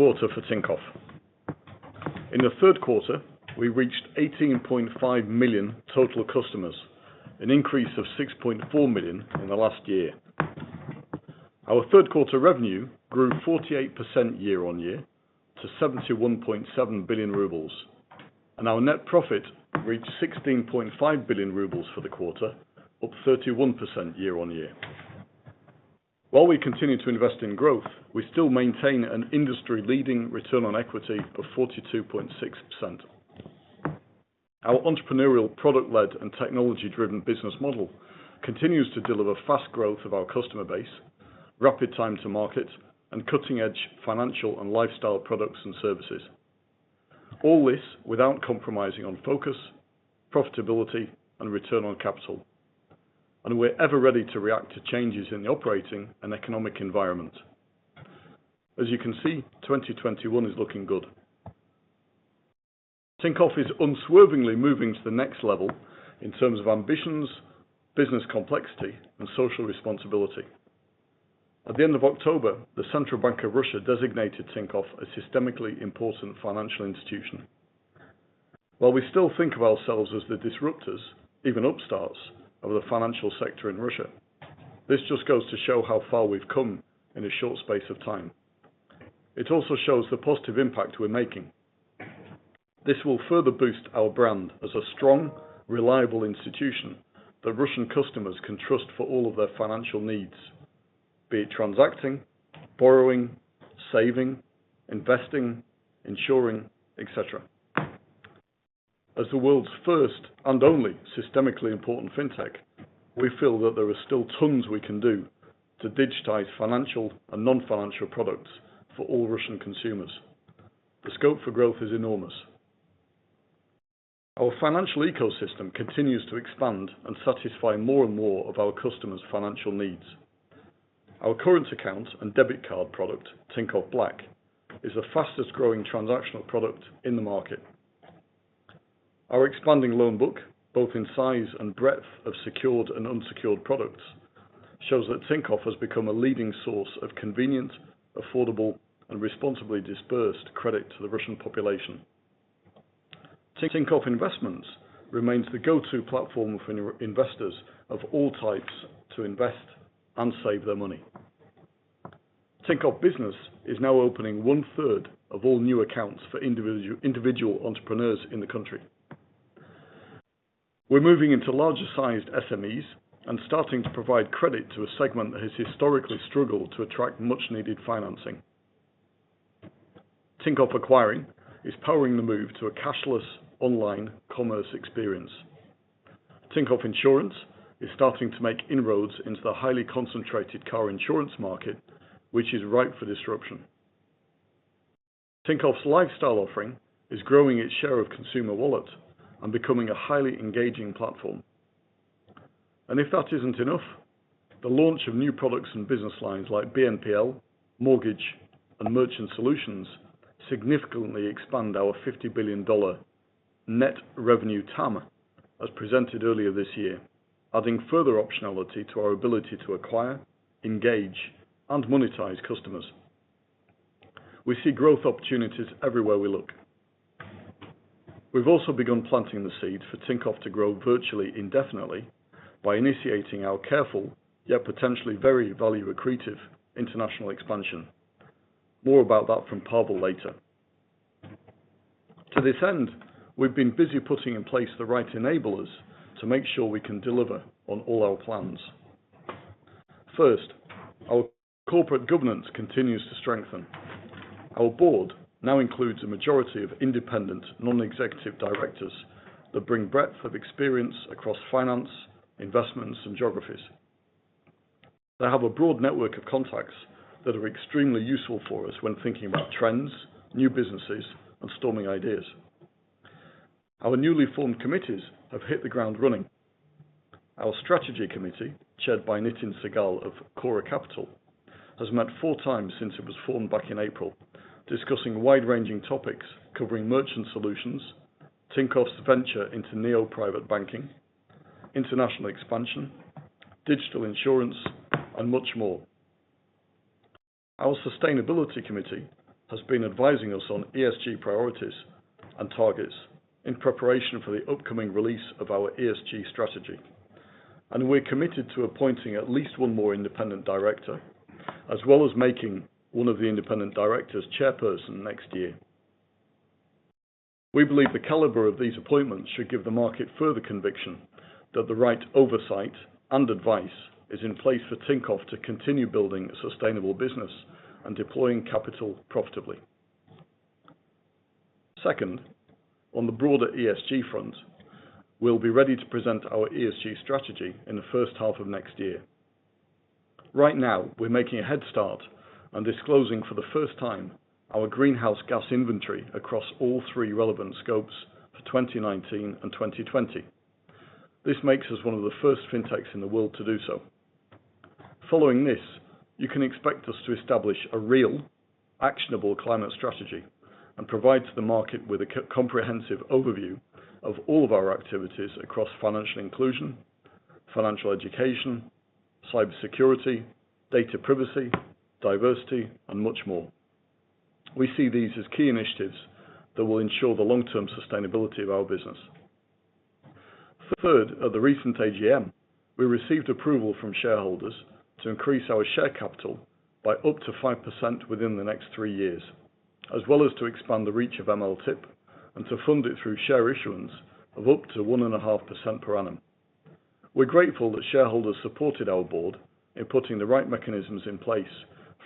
In the third quarter, we reached 18.5 million total customers, an increase of 6.4 million from last year. Our third quarter revenue grew 48% year-on-year to 71.7 billion rubles, and our net profit reached 16.5 billion rubles for the quarter, up 31% year-on-year. While we continue to invest in growth, we still maintain an industry-leading return on equity of 42.6%. Our entrepreneurial product-led and technology-driven business model continues to deliver fast growth of our customer base, rapid time to market, and cutting-edge financial and lifestyle products and services. All this without compromising on focus, profitability, and return on capital, and we're ever ready to react to changes in the operating and economic environment. As you can see, 2021 is looking good. Tinkoff is unswervingly moving to the next level in terms of ambitions, business complexity, and social responsibility. At the end of October, the Central Bank of Russia designated Tinkoff a systemically important financial institution. While we still think of ourselves as the disruptors, even upstarts of the financial sector in Russia, this just goes to show how far we've come in a short space of time. It also shows the positive impact we're making. This will further boost our brand as a strong, reliable institution that Russian customers can trust for all of their financial needs, be it transacting, borrowing, saving, investing, insuring, et cetera. As the world's first and only systemically important fintech, we feel that there are still tons we can do to digitize financial and non-financial products for all Russian consumers. The scope for growth is enormous. Our financial ecosystem continues to expand and satisfy more and more of our customers' financial needs. Our current account and debit card product, Tinkoff Black, is the fastest-growing transactional product in the market. Our expanding loan book, both in size and breadth of secured and unsecured products, shows that Tinkoff has become a leading source of convenient, affordable, and responsibly disbursed credit to the Russian population. Tinkoff Investments remains the go-to platform for investors of all types to invest and save their money. Tinkoff Business is now opening 1/3 of all new accounts for individual entrepreneurs in the country. We're moving into larger sized SMEs and starting to provide credit to a segment that has historically struggled to attract much needed financing. Tinkoff Acquiring is powering the move to a cashless online commerce experience. Tinkoff Insurance is starting to make inroads into the highly concentrated car insurance market, which is ripe for disruption. Tinkoff's lifestyle offering is growing its share of consumer wallet and becoming a highly engaging platform. If that isn't enough, the launch of new products and business lines like BNPL, Mortgage, and Merchant Solutions significantly expand our $50 billion net revenue TAM, as presented earlier this year, adding further optionality to our ability to acquire, engage, and monetize customers. We see growth opportunities everywhere we look. We've also begun planting the seed for Tinkoff to grow virtually indefinitely by initiating our careful, yet potentially very value accretive international expansion. More about that from Pavel later. To this end, we've been busy putting in place the right enablers to make sure we can deliver on all our plans. First, our corporate governance continues to strengthen. Our board now includes a majority of independent non-executive directors that bring breadth of experience across finance, investments, and geographies. They have a broad network of contacts that are extremely useful for us when thinking about trends, new businesses, and brainstorming ideas. Our newly formed committees have hit the ground running. Our strategy committee, chaired by Nitin Saigal of Coatue Management, has met four times since it was formed back in April, discussing wide-ranging topics covering merchant solutions, Tinkoff's venture into neo-private banking, international expansion, digital insurance, and much more. Our sustainability committee has been advising us on ESG priorities and targets in preparation for the upcoming release of our ESG strategy, and we're committed to appointing at least one more independent director, as well as making one of the independent directors chairperson next year. We believe the caliber of these appointments should give the market further conviction that the right oversight and advice is in place for Tinkoff to continue building a sustainable business and deploying capital profitably. Second, on the broader ESG front, we'll be ready to present our ESG strategy in the first half of next year. Right now, we're making a head start and disclosing for the first time our greenhouse gas inventory across all three relevant scopes for 2019 and 2020. This makes us one of the first fintechs in the world to do so. Following this, you can expect us to establish a real, actionable climate strategy and provide the market with a comprehensive overview of all of our activities across financial inclusion, financial education, cybersecurity, data privacy, diversity, and much more. We see these as key initiatives that will ensure the long-term sustainability of our business. Third, at the recent AGM, we received approval from shareholders to increase our share capital by up to 5% within the next 3 years, as well as to expand the reach of MLTIP and to fund it through share issuance of up to 1.5% per annum. We're grateful that shareholders supported our board in putting the right mechanisms in place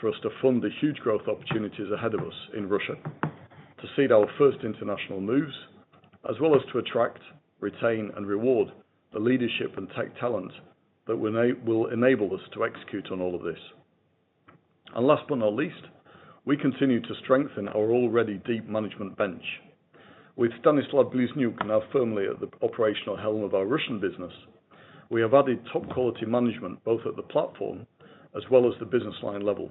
for us to fund the huge growth opportunities ahead of us in Russia to seed our first international moves, as well as to attract, retain, and reward the leadership and tech talent that will enable us to execute on all of this. Last but not least, we continue to strengthen our already deep management bench. With Stanislav Bliznyuk now firmly at the operational helm of our Russian business, we have added top quality management, both at the platform as well as the business line level.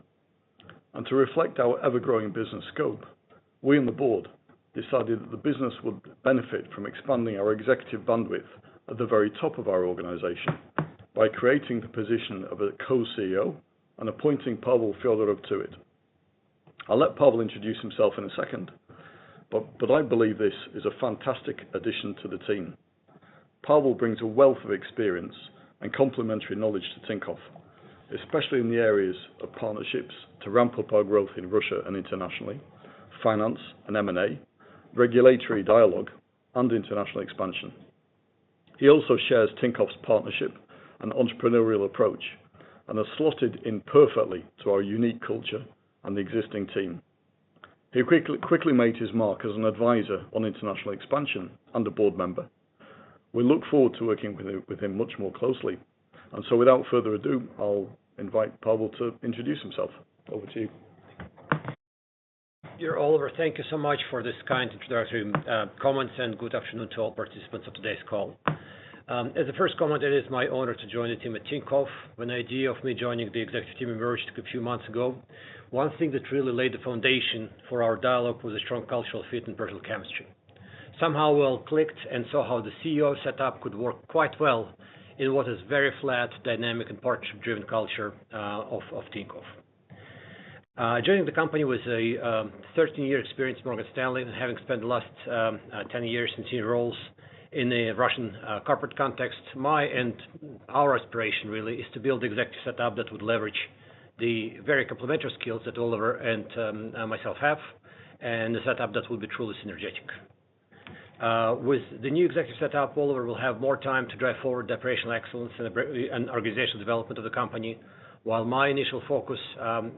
To reflect our ever-growing business scope, we on the board decided that the business would benefit from expanding our executive bandwidth at the very top of our organization by creating the position of a Co-CEO and appointing Pavel Fedorov to it. I'll let Pavel introduce himself in a second, but I believe this is a fantastic addition to the team. Pavel brings a wealth of experience and complementary knowledge to Tinkoff, especially in the areas of partnerships to ramp up our growth in Russia and internationally, finance and M&A, regulatory dialogue, and international expansion. He also shares Tinkoff's partnership and entrepreneurial approach and has slotted in perfectly to our unique culture and the existing team. He quickly made his mark as an advisor on international expansion and a board member. We look forward to working with him much more closely, and so without further ado, I'll invite Pavel to introduce himself. Over to you. Dear Oliver, thank you so much for this kind introductory comments, and good afternoon to all participants of today's call. As a first comment, it is my honor to join the team at Tinkoff. When the idea of me joining the executive team emerged a few months ago, one thing that really laid the foundation for our dialogue was a strong cultural fit and personal chemistry. Somehow we all clicked and saw how the CEO set up could work quite well in what is a very flat dynamic and partnership-driven culture of Tinkoff. Joining the company with a 13-year experience at Morgan Stanley and having spent the last 10 years in senior roles in the Russian corporate context, my and our aspiration really is to build the executive set up that would leverage the very complementary skills that Oliver and myself have, and a setup that will be truly synergetic. With the new executive set up, Oliver will have more time to drive forward operational excellence and organizational development of the company. While my initial focus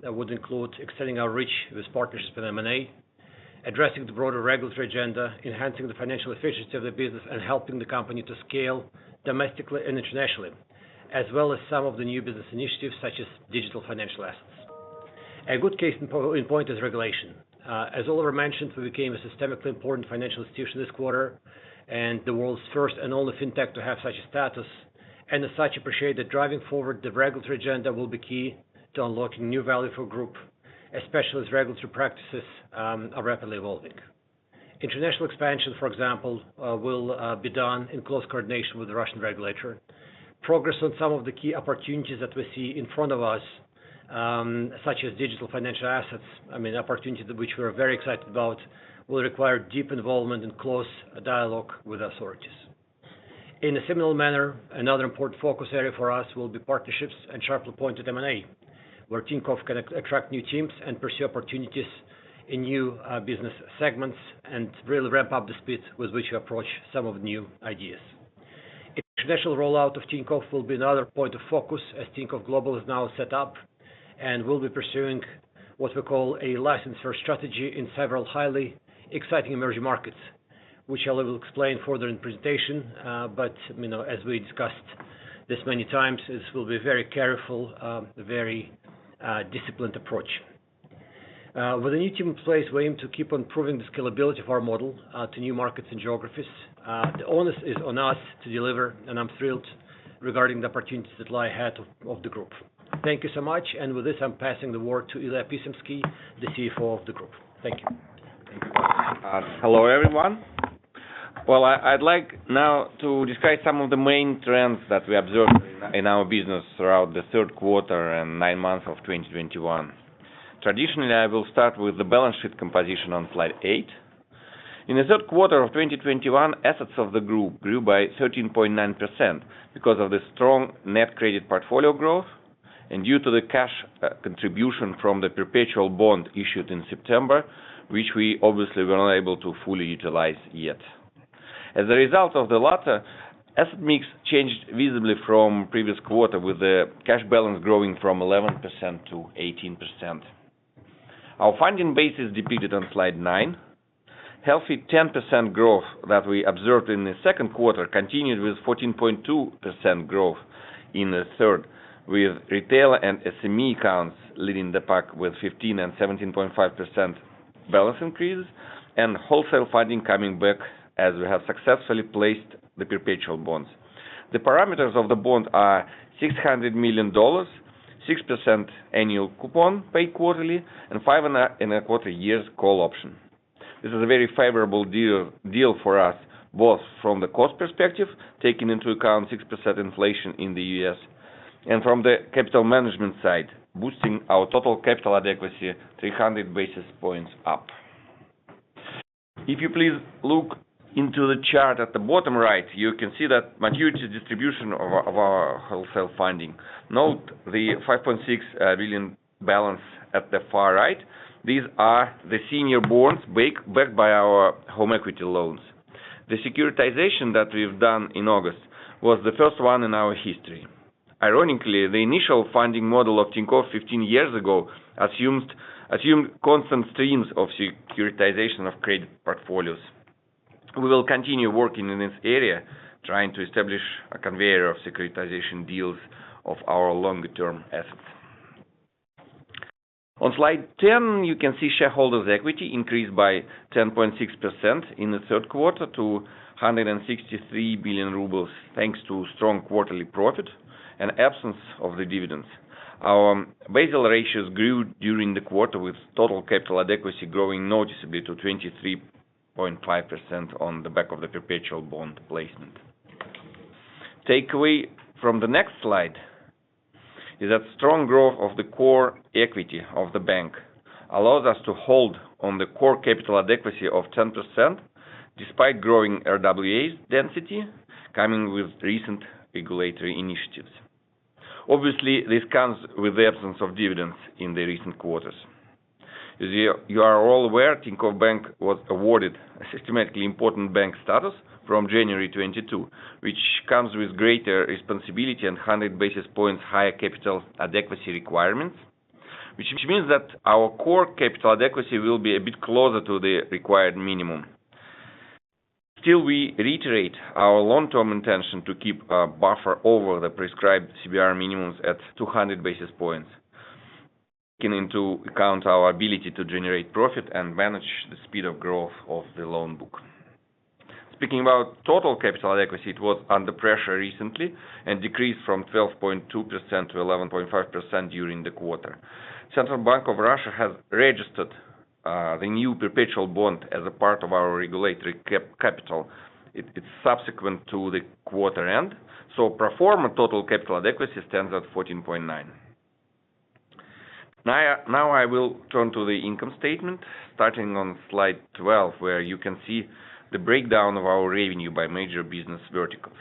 would include extending our reach with partnerships with M&A, addressing the broader regulatory agenda, enhancing the financial efficiency of the business, and helping the company to scale domestically and internationally, as well as some of the new business initiatives such as digital financial assets. A good case in point is regulation. As Oliver mentioned, we became a systemically important financial institution this quarter and the world's first and only fintech to have such a status, and as such appreciate that driving forward the regulatory agenda will be key to unlocking new value for Group, especially as regulatory practices are rapidly evolving. International expansion, for example, will be done in close coordination with the Russian regulator. Progress on some of the key opportunities that we see in front of us, such as digital financial assets, I mean, opportunities which we are very excited about, will require deep involvement and close dialogue with authorities. In a similar manner, another important focus area for us will be partnerships and sharply pointed M&A, where Tinkoff can attract new teams and pursue opportunities in new business segments and really ramp up the speed with which we approach some of the new ideas. International rollout of Tinkoff will be another point of focus as Tinkoff Global is now set up, and we'll be pursuing what we call a license-first strategy in several highly exciting emerging markets, which Oliver will explain further in presentation. You know, as we discussed this many times, this will be very careful, very disciplined approach. With the new team in place, we aim to keep on improving the scalability of our model to new markets and geographies. The onus is on us to deliver, and I'm thrilled regarding the opportunities that lie ahead of the Group. Thank you so much. With this, I'm passing the word to Ilya Pisemsky, the CFO of the Group. Thank you. Thank you, Pavel. Hello, everyone. Well, I'd like now to describe some of the main trends that we observed in our business throughout the third quarter and 9 months of 2021. Traditionally, I will start with the balance sheet composition on slide 8. In the third quarter of 2021, assets of the Group grew by 13.9% because of the strong net credit portfolio growth and due to the cash contribution from the perpetual bond issued in September, which we obviously were unable to fully utilize yet. As a result of the latter, asset mix changed visibly from previous quarter, with the cash balance growing from 11% to 18%. Our funding base is depicted on slide 9. Healthy 10% growth that we observed in the second quarter continued with 14.2% growth in the third, with retail and SME accounts leading the pack with 15% and 17.5% balance increase and wholesale funding coming back as we have successfully placed the perpetual bonds. The parameters of the bond are $600 million, 6% annual coupon paid quarterly, and 5.25-year call option. This is a very favorable deal for us, both from the cost perspective, taking into account 6% inflation in the U.S., and from the capital management side, boosting our total capital adequacy 300 basis points up. If you please look into the chart at the bottom right, you can see that maturity distribution of our wholesale funding. Note the $5.6 billion balance at the far right. These are the senior bonds backed by our home equity loans. The securitization that we've done in August was the first one in our history. Ironically, the initial funding model of Tinkoff 15 years ago assumed constant streams of securitization of credit portfolios. We will continue working in this area, trying to establish a conveyor of securitization deals of our longer-term assets. On slide 10, you can see shareholders equity increased by 10.6% in the third quarter to 163 billion rubles, thanks to strong quarterly profit and absence of the dividends. Our Basel ratios grew during the quarter, with total capital adequacy growing noticeably to 23.5% on the back of the perpetual bond placement. Takeaway from the next slide is that strong growth of the core equity of the bank allows us to hold on the core capital adequacy of 10% despite growing RWA density coming with recent regulatory initiatives. Obviously, this comes with the absence of dividends in the recent quarters. As you are all aware, Tinkoff Bank was awarded a systemically important bank status from January 2022, which comes with greater responsibility and 100 basis points higher capital adequacy requirements, which means that our core capital adequacy will be a bit closer to the required minimum. Still, we reiterate our long-term intention to keep a buffer over the prescribed CBR minimums at 200 basis points, taking into account our ability to generate profit and manage the speed of growth of the loan book. Speaking about total capital adequacy, it was under pressure recently and decreased from 12.2% to 11.5% during the quarter. Central Bank of Russia has registered the new perpetual bond as a part of our regulatory capital. It's subsequent to the quarter end, so pro forma total capital adequacy stands at 14.9%. Now I will turn to the income statement, starting on slide 12, where you can see the breakdown of our revenue by major business verticals.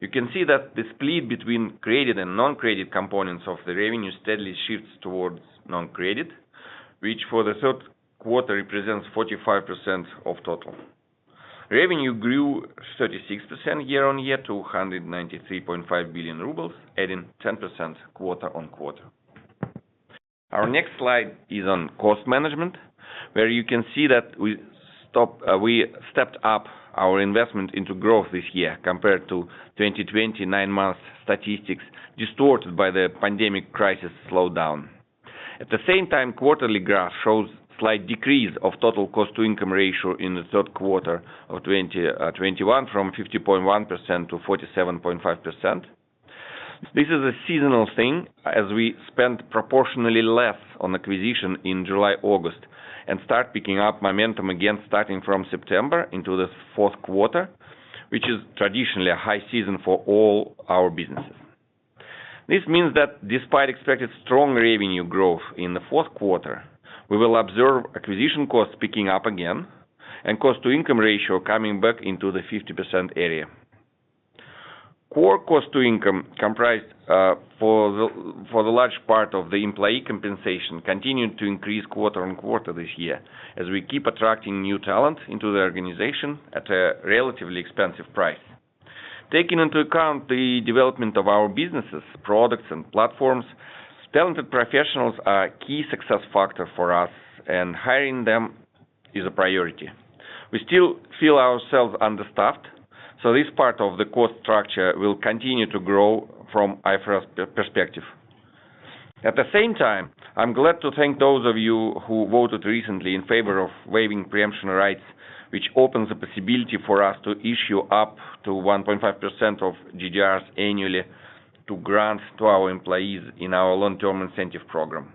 You can see that the split between credit and non-credit components of the revenue steadily shifts towards non-credit, which for the third quarter represents 45% of total. Revenue grew 36% year-on-year to 193.5 billion rubles, adding 10% quarter-on-quarter. Our next slide is on cost management, where you can see that we stepped up our investment into growth this year compared to 2020 nine-month statistics distorted by the pandemic crisis slowdown. At the same time, quarterly graph shows slight decrease of total cost to income ratio in the third quarter of 2021, from 50.1% to 47.5%. This is a seasonal thing, as we spend proportionally less on acquisition in July, August, and start picking up momentum again starting from September into the fourth quarter, which is traditionally a high season for all our businesses. This means that despite expected strong revenue growth in the fourth quarter, we will observe acquisition costs picking up again and cost to income ratio coming back into the 50% area. Core cost to income comprised for the large part of the employee compensation continued to increase quarter-on-quarter this year, as we keep attracting new talent into the organization at a relatively expensive price. Taking into account the development of our businesses, products and platforms, talented professionals are a key success factor for us, and hiring them is a priority. We still feel ourselves understaffed, so this part of the cost structure will continue to grow from an IFRS perspective. At the same time, I'm glad to thank those of you who voted recently in favor of waiving preemption rights, which opens the possibility for us to issue up to 1.5% of GDRs annually to grants to our employees in our long-term incentive program.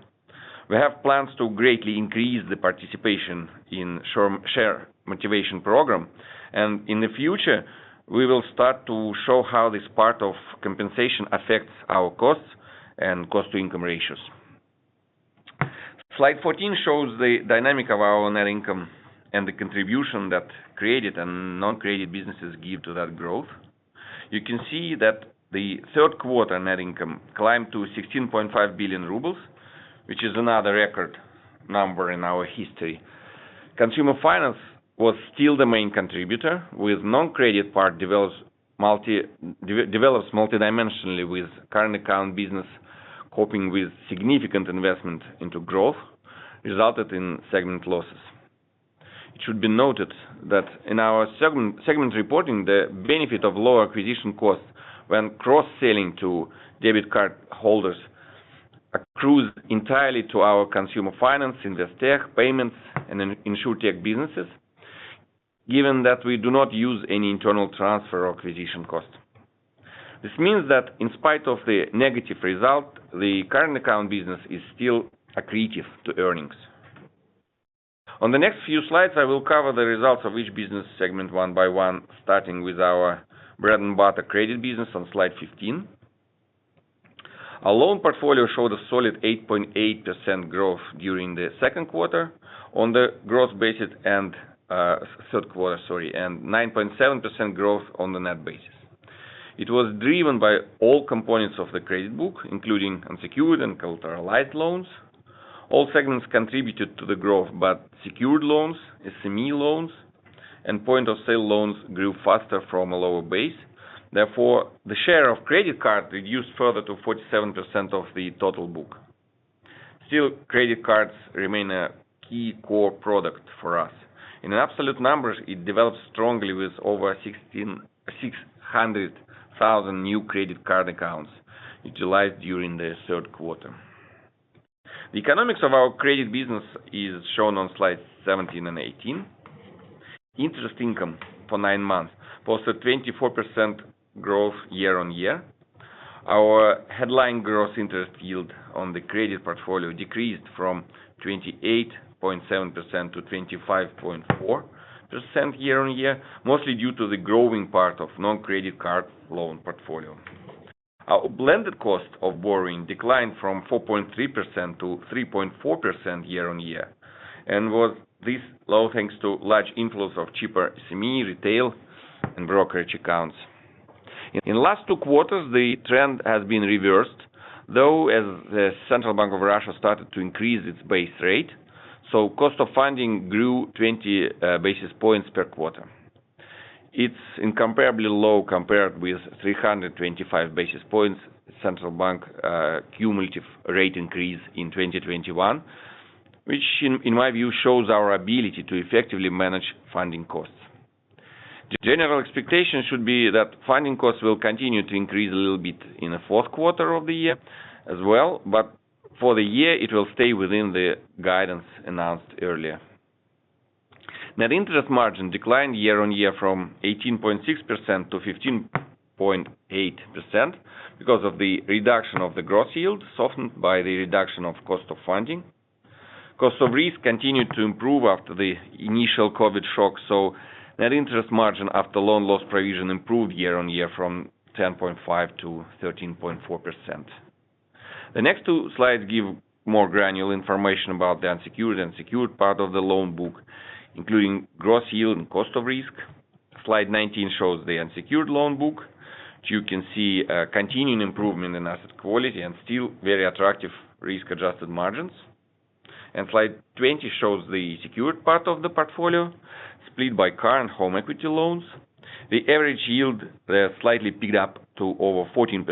We have plans to greatly increase the participation in share motivation program, and in the future, we will start to show how this part of compensation affects our costs and cost to income ratios. Slide 14 shows the dynamic of our net income and the contribution that credit and non-credit businesses give to that growth. You can see that the third quarter net income climbed to 16.5 billion rubles, which is another record number in our history. Consumer finance was still the main contributor, with non-credit part develops multidimensionally with current account business coping with significant investment into growth, resulted in segment losses. It should be noted that in our segment reporting, the benefit of low acquisition costs when cross-selling to debit card holders accrues entirely to our consumer finance, InvestTech, payments, and InsurTech businesses. Given that we do not use any internal transfer or acquisition cost. This means that in spite of the negative result, the current account business is still accretive to earnings. On the next few slides, I will cover the results of each business segment one by one, starting with our bread and butter credit business on slide 15. Our loan portfolio showed a solid 8.8% growth during the third quarter on the gross basis and 9.7% growth on the net basis. It was driven by all components of the credit book, including unsecured and collateralized loans. All segments contributed to the growth, but secured loans, SME loans, and point of sale loans grew faster from a lower base. Therefore, the share of credit card reduced further to 47% of the total book. Still, credit cards remain a key core product for us. In absolute numbers, it developed strongly with over 1,600,000 new credit card accounts utilized during the third quarter. The economics of our credit business is shown on slides 17 and 18. Interest income for 9 months posted 24% growth year-on-year. Our headline growth interest yield on the credit portfolio decreased from 28.7% to 25.4% year-on-year, mostly due to the growing part of non-credit card loan portfolio. Our blended cost of borrowing declined from 4.3% to 3.4% year-on-year, and was this low thanks to large inflows of cheaper SME retail and brokerage accounts. In the last two quarters, the trend has been reversed, though as the Central Bank of Russia started to increase its base rate, so cost of funding grew 20 basis points per quarter. It's incomparably low compared with 325 basis points Central Bank cumulative rate increase in 2021, which in my view shows our ability to effectively manage funding costs. The general expectation should be that funding costs will continue to increase a little bit in the fourth quarter of the year as well, but for the year it will stay within the guidance announced earlier. Net interest margin declined year on year from 18.6% to 15.8% because of the reduction of the growth yield softened by the reduction of cost of funding. Cost of risk continued to improve after the initial COVID shock, so net interest margin after loan loss provision improved year on year from 10.5% to 13.4%. The next two slides give more granular information about the unsecured and secured part of the loan book, including growth yield and cost of risk. Slide 19 shows the unsecured loan book. You can see continuing improvement in asset quality and still very attractive risk-adjusted margins. Slide 20 shows the secured part of the portfolio split by car and home equity loans. The average yield there slightly picked up to over 14%,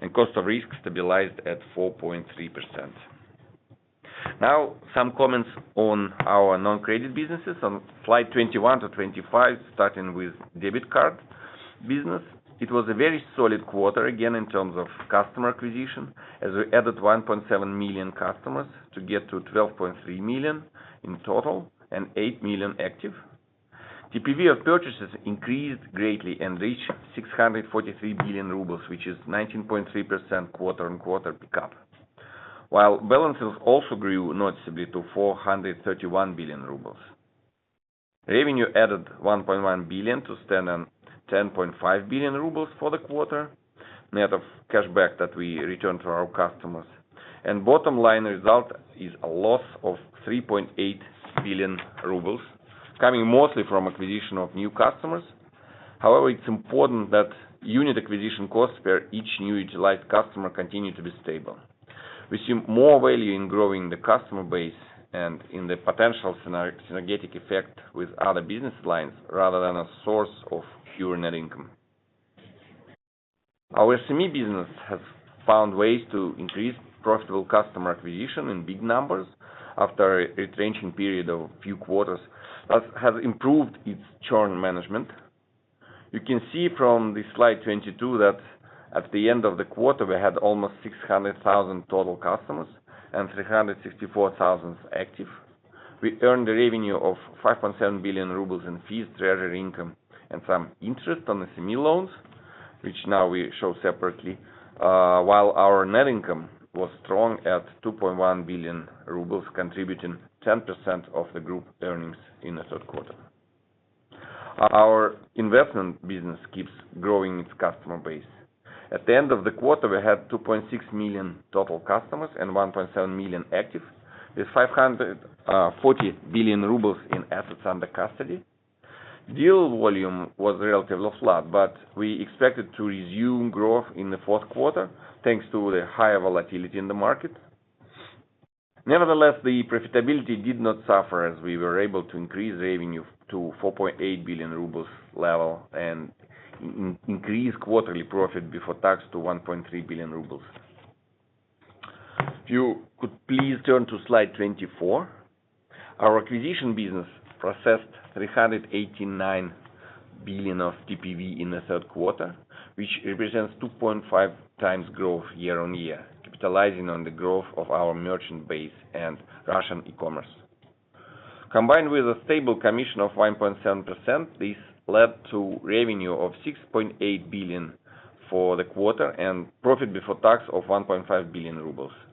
and cost of risk stabilized at 4.3%. Now, some comments on our non-credit businesses on slide 21 to 25, starting with debit card business. It was a very solid quarter again in terms of customer acquisition, as we added 1.7 million customers to get to 12.3 million in total and 8 million active. TPV of purchases increased greatly and reached 643 billion rubles, which is 19.3% quarter-on-quarter pickup. While balances also grew noticeably to 431 billion rubles. Revenue added 1.1 billion to stand on 10.5 billion rubles for the quarter, net of cashback that we returned to our customers. Bottom line result is a loss of 3.8 billion rubles coming mostly from acquisition of new customers. However, it's important that unit acquisition costs for each new utilized customer continue to be stable. We see more value in growing the customer base and in the potential synergistic effect with other business lines rather than a source of pure net income. Our SME business has found ways to increase profitable customer acquisition in big numbers after a retrenching period of a few quarters that has improved its churn management. You can see from the slide 22 that at the end of the quarter, we had almost 600,000 total customers and 364,000 active. We earned a revenue of 5.7 billion rubles in fees, treasury income, and some interest on SME loans, which now we show separately, while our net income was strong at 2.1 billion rubles, contributing 10% of the group earnings in the third quarter. Our investment business keeps growing its customer base. At the end of the quarter, we had 2.6 million total customers and 1.7 million active with 540 billion rubles in assets under custody. Deal volume was relatively flat, but we expected to resume growth in the fourth quarter, thanks to the higher volatility in the market. Nevertheless, the profitability did not suffer as we were able to increase revenue to 4.8 billion rubles level and increase quarterly profit before tax to 1.3 billion rubles. If you could please turn to slide 24. Our acquisition business processed 389 billion of TPV in the third quarter, which represents 2.5 times growth year-on-year, capitalizing on the growth of our merchant base and Russian e-commerce. Combined with a stable commission of 1.7%, this led to revenue of 6.8 billion for the quarter and profit before tax of 1.5 billion rubles. This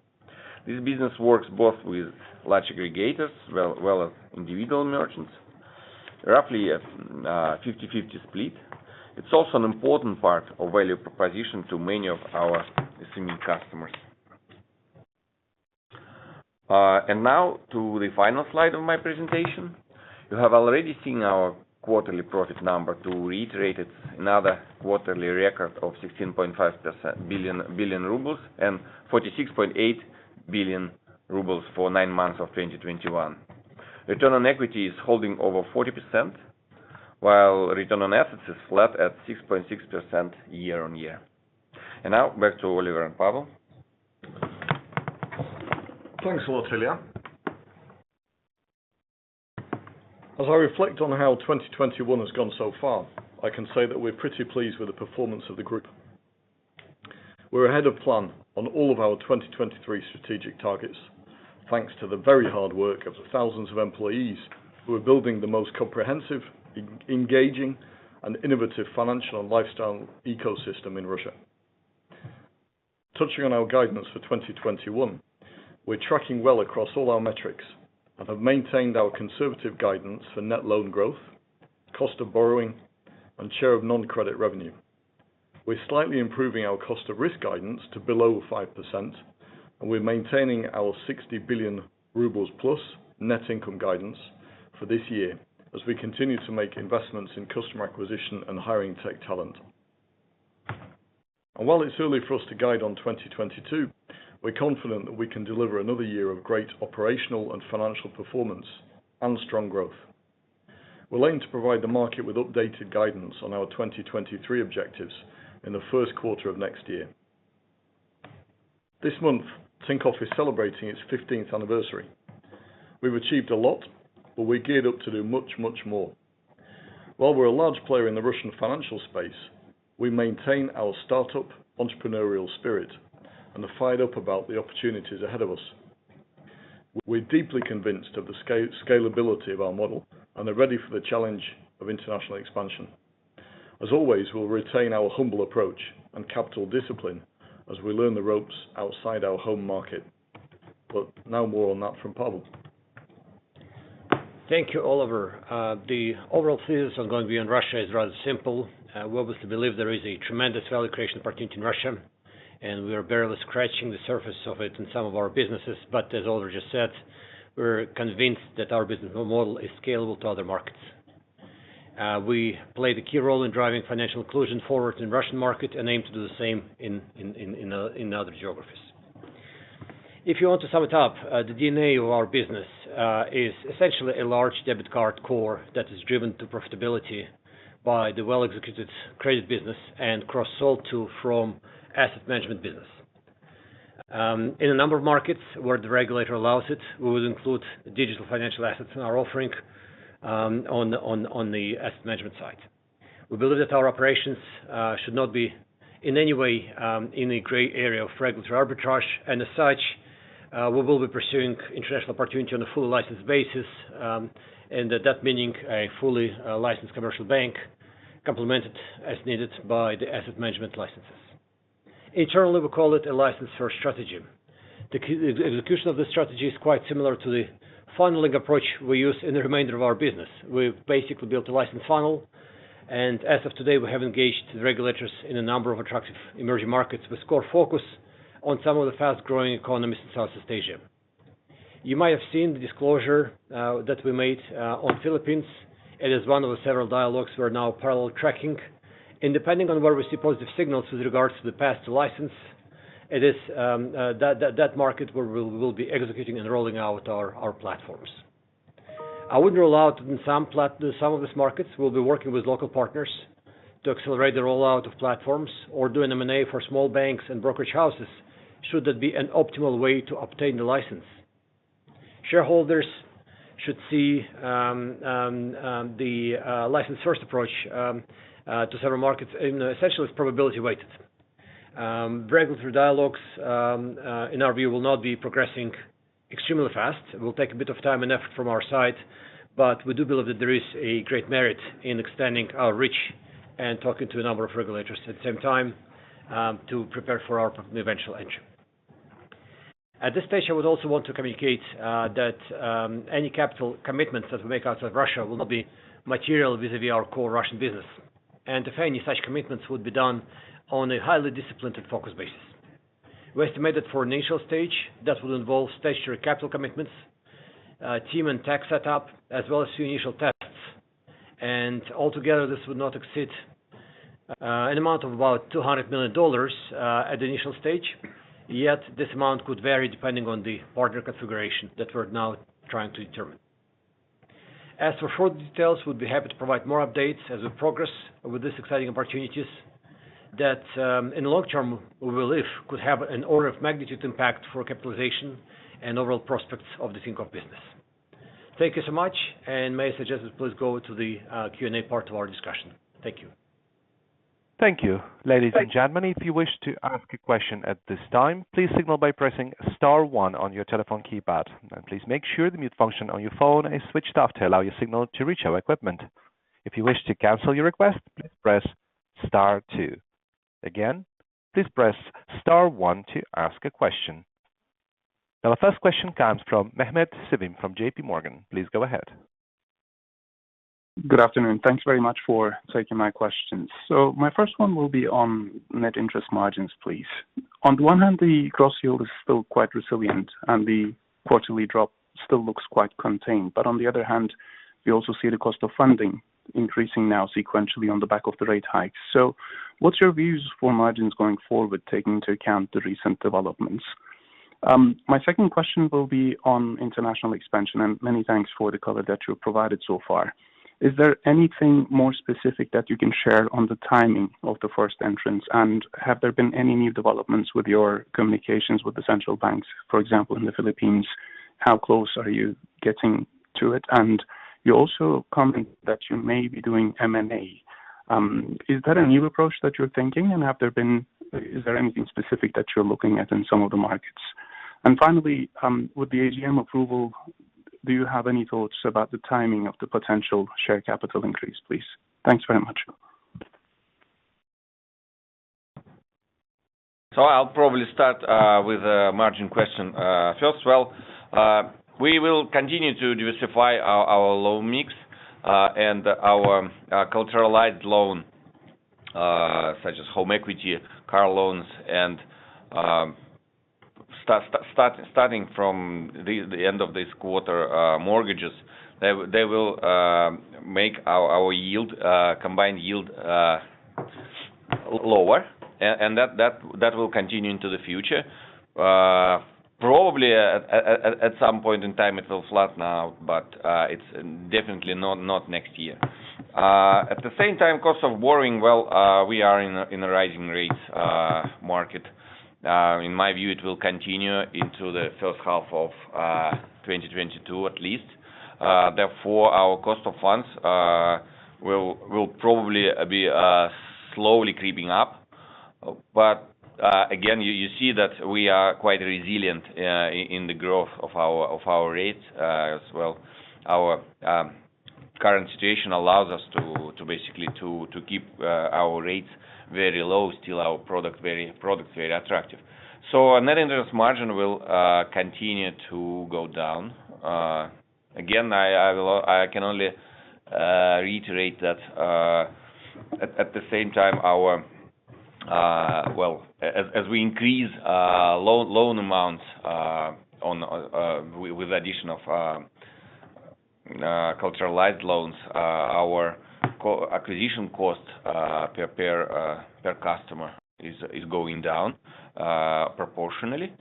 business works both with large aggregators as well as individual merchants, roughly a 50-50 split. It's also an important part of value proposition to many of our consumer customers. Now to the final slide of my presentation. You have already seen our quarterly profit number. To reiterate it, another quarterly record of 16.5 billion rubles and 46.8 billion rubles for nine months of 2021. Return on equity is holding over 40%, while return on assets is flat at 6.6% year-on-year. Now back to Oliver and Pavel. Thanks a lot, Ilya. As I reflect on how 2021 has gone so far, I can say that we're pretty pleased with the performance of the group. We're ahead of plan on all of our 2023 strategic targets, thanks to the very hard work of the thousands of employees who are building the most comprehensive, engaging, and innovative financial and lifestyle ecosystem in Russia. Touching on our guidance for 2021, we're tracking well across all our metrics and have maintained our conservative guidance for net loan growth, cost of borrowing, and share of non-credit revenue. We're slightly improving our cost of risk guidance to below 5%, and we're maintaining our 60 billion rubles plus net income guidance for this year as we continue to make investments in customer acquisition and hiring tech talent. While it's early for us to guide on 2022, we're confident that we can deliver another year of great operational and financial performance and strong growth. We're looking to provide the market with updated guidance on our 2023 objectives in the first quarter of next year. This month, Tinkoff is celebrating its 15th anniversary. We've achieved a lot, but we're geared up to do much, much more. While we're a large player in the Russian financial space, we maintain our startup entrepreneurial spirit and are fired up about the opportunities ahead of us. We're deeply convinced of the scalability of our model and are ready for the challenge of international expansion. As always, we'll retain our humble approach and capital discipline as we learn the ropes outside our home market. Now more on that from Pavel. Thank you, Oliver. The overall thesis I'm going to be on Russia is rather simple. We obviously believe there is a tremendous value creation opportunity in Russia, and we are barely scratching the surface of it in some of our businesses. As Oliver just said, we're convinced that our business model is scalable to other markets. We play the key role in driving financial inclusion forward in Russian market and aim to do the same in other geographies. If you want to sum it up, the DNA of our business is essentially a large debit card core that is driven to profitability by the well-executed credit business and cross-sold to from asset management business. In a number of markets where the regulator allows it, we would include digital financial assets in our offering, on the asset management side. We believe that our operations should not be in any way in a gray area of regulatory arbitrage, and as such, we will be pursuing international opportunity on a full license basis, and that meaning a fully licensed commercial bank complemented as needed by the asset management licenses. Internally, we call it a license for strategy. Execution of this strategy is quite similar to the funneling approach we use in the remainder of our business. We've basically built a license funnel, and as of today, we have engaged regulators in a number of attractive emerging markets with core focus on some of the fast-growing economies in Southeast Asia. You might have seen the disclosure that we made on the Philippines. It is one of the several dialogues we're now parallel tracking. Depending on where we see positive signals with regards to the path to license, it is that market where we'll be executing and rolling out our platforms. Some of these markets, we'll be working with local partners to accelerate the rollout of platforms or do an M&A for small banks and brokerage houses should that be an optimal way to obtain the license. Shareholders should see the license-first approach to several markets, and essentially it's probability weighted. Regulatory dialogues in our view will not be progressing extremely fast. It will take a bit of time and effort from our side, but we do believe that there is a great merit in extending our reach and talking to a number of regulators at the same time, to prepare for our eventual entry. At this stage, I would also want to communicate, that, any capital commitments that we make outside of Russia will not be material vis-à-vis our core Russian business. If any such commitments would be done on a highly disciplined and focused basis. We estimated for initial stage that would involve statutory capital commitments, team and tech setup, as well as the initial tests. Altogether, this would not exceed, an amount of about $200 million, at the initial stage. Yet, this amount could vary depending on the partner configuration that we're now trying to determine. As for further details, we'd be happy to provide more updates as we progress over these exciting opportunities. That, in the long term, we believe could have an order of magnitude impact for capitalization and overall prospects of the Tinkoff business. Thank you so much, and may I suggest that please go to the Q&A part of our discussion. Thank you. Thank you. Ladies and gentlemen, if you wish to ask a question at this time, please signal by pressing star one on your telephone keypad. Please make sure the mute function on your phone is switched off to allow your signal to reach our equipment. If you wish to cancel your request, please press star two. Again, please press star one to ask a question. Now the first question comes from Mehmet Sevim from JPMorgan. Please go ahead. Good afternoon. Thank you very much for taking my questions. My first one will be on net interest margins, please. On the one hand, the gross yield is still quite resilient, and the quarterly drop still looks quite contained. On the other hand, we also see the cost of funding increasing now sequentially on the back of the rate hike. What's your views for margins going forward, taking into account the recent developments? My second question will be on international expansion, and many thanks for the color that you've provided so far. Is there anything more specific that you can share on the timing of the first entrance? And have there been any new developments with your communications with the central banks, for example, in the Philippines, how close are you getting to it? And you also commented that you may be doing M&A. Is that a new approach that you're thinking? Is there anything specific that you're looking at in some of the markets? Finally, with the AGM approval, do you have any thoughts about the timing of the potential share capital increase, please? Thanks very much. I'll probably start with the margin question first. We will continue to diversify our loan mix and our collateralized loan such as home equity, car loans, and starting from the end of this quarter, mortgages. They will make our combined yield lower, and that will continue into the future. Probably at some point in time, it will flatten out, but it's definitely not next year. At the same time, cost of borrowing, we are in a rising rates market. In my view, it will continue into the first half of 2022 at least. Therefore, our cost of funds will probably be slowly creeping up. Again, you see that we are quite resilient in the growth of our rates as well. Our current situation allows us to basically keep our rates very low, still our product very attractive. Net interest margin will continue to go down. Again, I can only reiterate that at the same time, as we increase loan amounts with addition of collateralized loans, our acquisition cost per customer is going down proportionally.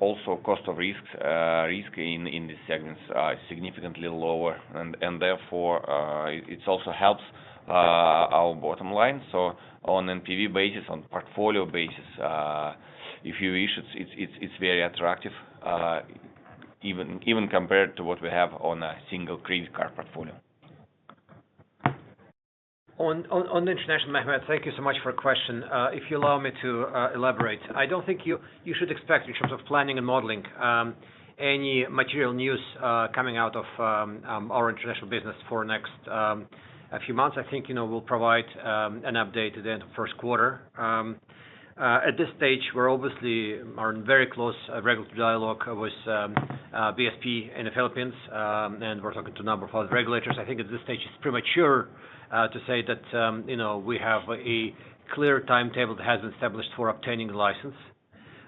Also cost of risks in these segments are significantly lower. Therefore, it also helps our bottom line. On NPV basis, on portfolio basis, if you wish, it's very attractive, even compared to what we have on a single credit card portfolio. On international, Mehmet, thank you so much for your question. If you allow me to elaborate. I don't think you should expect in terms of planning and modeling any material news coming out of our international business for the next few months. I think, you know, we'll provide an update at the end of first quarter. At this stage, we're obviously in very close regulatory dialogue with BSP in the Philippines, and we're talking to a number of other regulators. I think at this stage, it's premature to say that you know, we have a clear timetable that has established for obtaining a license.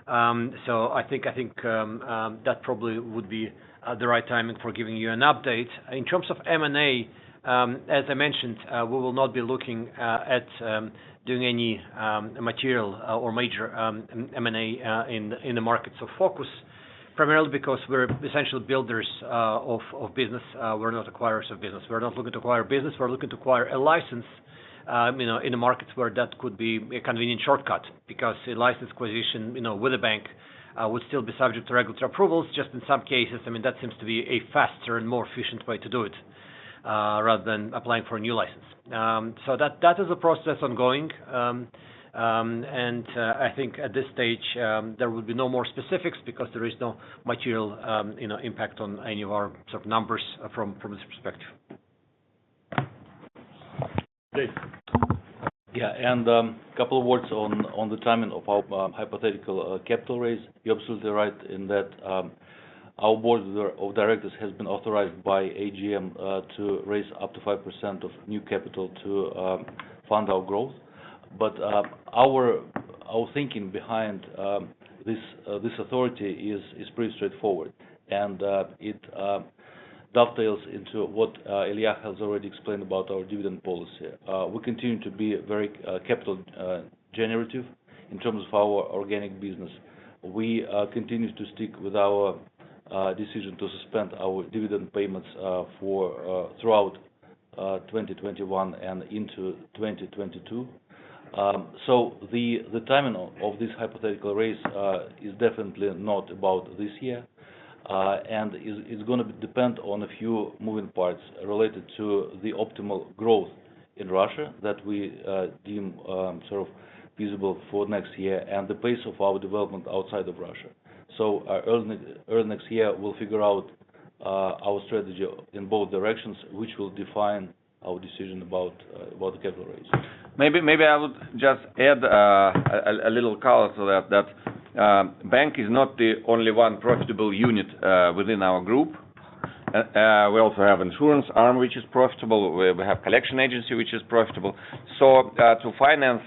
I think that probably would be the right timing for giving you an update. In terms of M&A, as I mentioned, we will not be looking at doing any material or major M&A in the markets of focus, primarily because we're essentially builders of business. We're not acquirers of business. We're not looking to acquire business. We're looking to acquire a license, you know, in the markets where that could be a convenient shortcut because a license acquisition, you know, with a bank, would still be subject to regulatory approvals, just in some cases, I mean, that seems to be a faster and more efficient way to do it, rather than applying for a new license. That is a process ongoing. I think at this stage, there will be no more specifics because there is no material, you know, impact on any of our sort of numbers from this perspective. Great. Couple of words on the timing of our hypothetical capital raise. You're absolutely right in that our board of directors has been authorized by AGM to raise up to 5% of new capital to fund our growth. Our thinking behind this authority is pretty straightforward. It dovetails into what Ilya has already explained about our dividend policy. We continue to be very capital generative in terms of our organic business. We continue to stick with our Decision to suspend our dividend payments for throughout 2021 and into 2022. The timing of this hypothetical raise is definitely not about this year. It's gonna depend on a few moving parts related to the optimal growth in Russia that we deem sort of feasible for next year and the pace of our development outside of Russia. Early next year, we'll figure out our strategy in both directions, which will define our decision about the capital raise. Maybe I would just add a little color to that. Bank is not the only one profitable unit within our group. We also have insurance arm which is profitable. We have collection agency which is profitable. To finance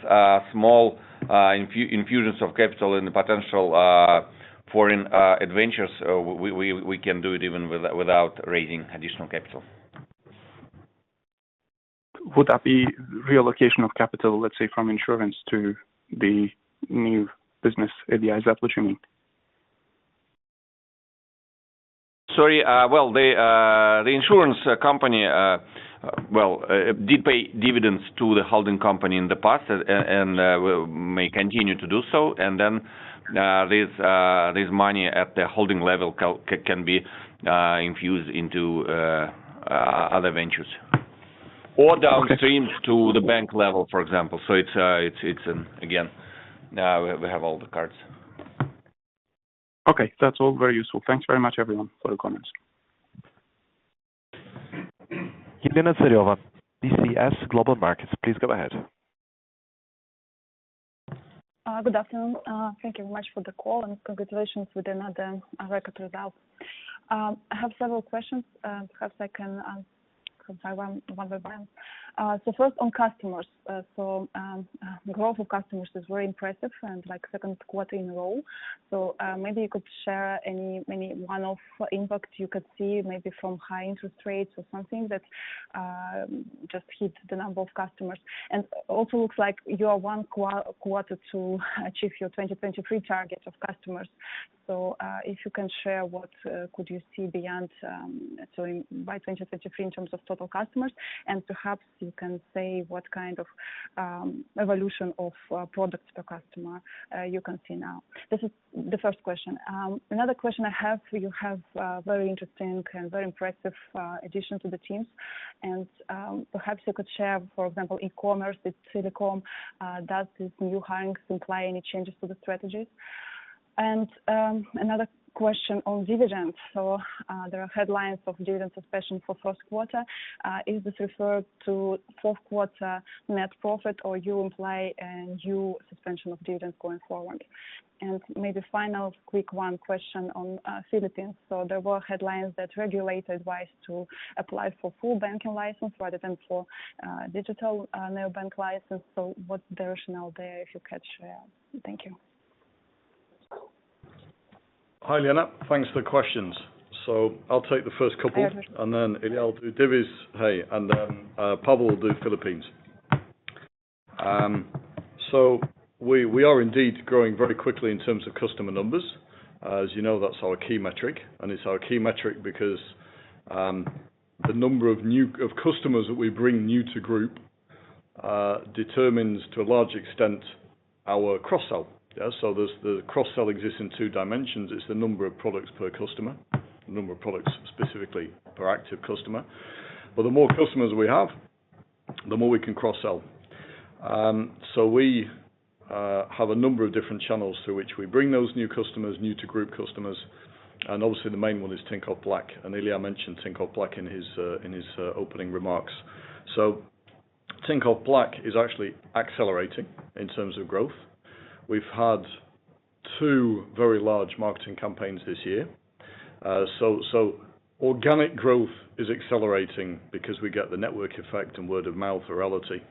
small infusions of capital in the potential foreign adventures, we can do it even without raising additional capital. Would that be reallocation of capital, let's say, from insurance to the new business APIs? Is that what you mean? Sorry. Well, the insurance company well did pay dividends to the holding company in the past and this money at the holding level can be infused into other ventures. Downstream to the bank level, for example. It's again, now we have all the cards. Okay. That's all very useful. Thanks very much everyone for the comments. Elena Tsareva, BCS Global Markets, please go ahead. Good afternoon. Thank you very much for the call, and congratulations with another record result. I have several questions, perhaps I can ask one by one. First on customers. The growth of customers is very impressive and like second quarter in a row. Maybe you could share any one-off impact you could see maybe from high interest rates or something that just hit the number of customers. Also looks like you are one quarter to achieve your 2023 targets of customers. If you can share what you could see beyond, by 2023 in terms of total customers, and perhaps you can say what kind of evolution of products per customer you can see now. This is the first question. Another question I have: very interesting and very impressive addition to the teams. Perhaps you could share, for example, e-commerce with Cian. Does these new hirings imply any changes to the strategies? Another question on dividends. There are headlines of dividend suspension for first quarter. Is this referred to fourth quarter net profit, or you imply a new suspension of dividends going forward? Maybe final quick one question on Philippines. There were headlines that regulator advised to apply for full banking license rather than for digital neobank license. What's the rationale there, if you could share? Thank you. Hi, Elena. Thanks for the questions. I'll take the first couple, and then Ilya will do dividend pay, and then Pavel will do Philippines. We are indeed growing very quickly in terms of customer numbers. As you know, that's our key metric, and it's our key metric because the number of customers that we bring new to group determines to a large extent our cross-sell. Yeah, there's the cross-sell exists in two dimensions. It's the number of products per customer, the number of products specifically per active customer. The more customers we have, the more we can cross-sell. We have a number of different channels through which we bring those new customers, new to group customers. Obviously the main one is Tinkoff Black. Ilya mentioned Tinkoff Black in his opening remarks. Tinkoff Black is actually accelerating in terms of growth. We've had two very large marketing campaigns this year. Organic growth is accelerating because we get the network effect and word-of-mouth virality.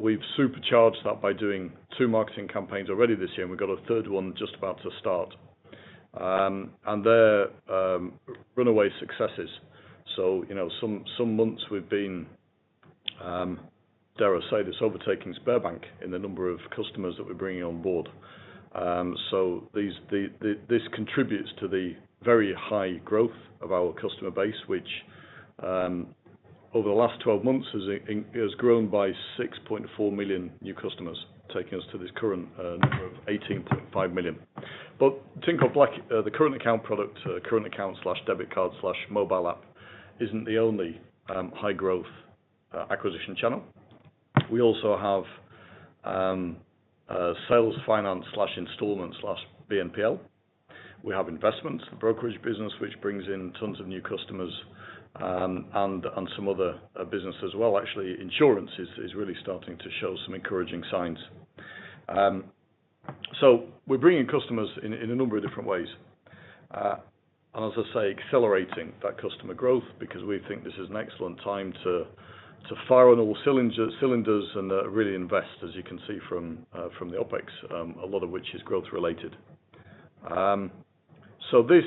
We've supercharged that by doing two marketing campaigns already this year, and we've got a third one just about to start. They're runaway successes. You know, some months we've been dare I say this, overtaking Sberbank in the number of customers that we're bringing on board. This contributes to the very high growth of our customer base, which over the last 12 months has grown by 6.4 million new customers, taking us to this current number of 18.5 million. Tinkoff Black, the current account product, current account/debit card/mobile app, isn't the only high growth acquisition channel. We also have sales finance/installments/BNPL. We have investments, brokerage business, which brings in tons of new customers, and some other business as well. Actually, insurance is really starting to show some encouraging signs. We're bringing customers in a number of different ways. As I say, accelerating that customer growth because we think this is an excellent time to fire on all cylinders and really invest, as you can see from the OpEx, a lot of which is growth related. This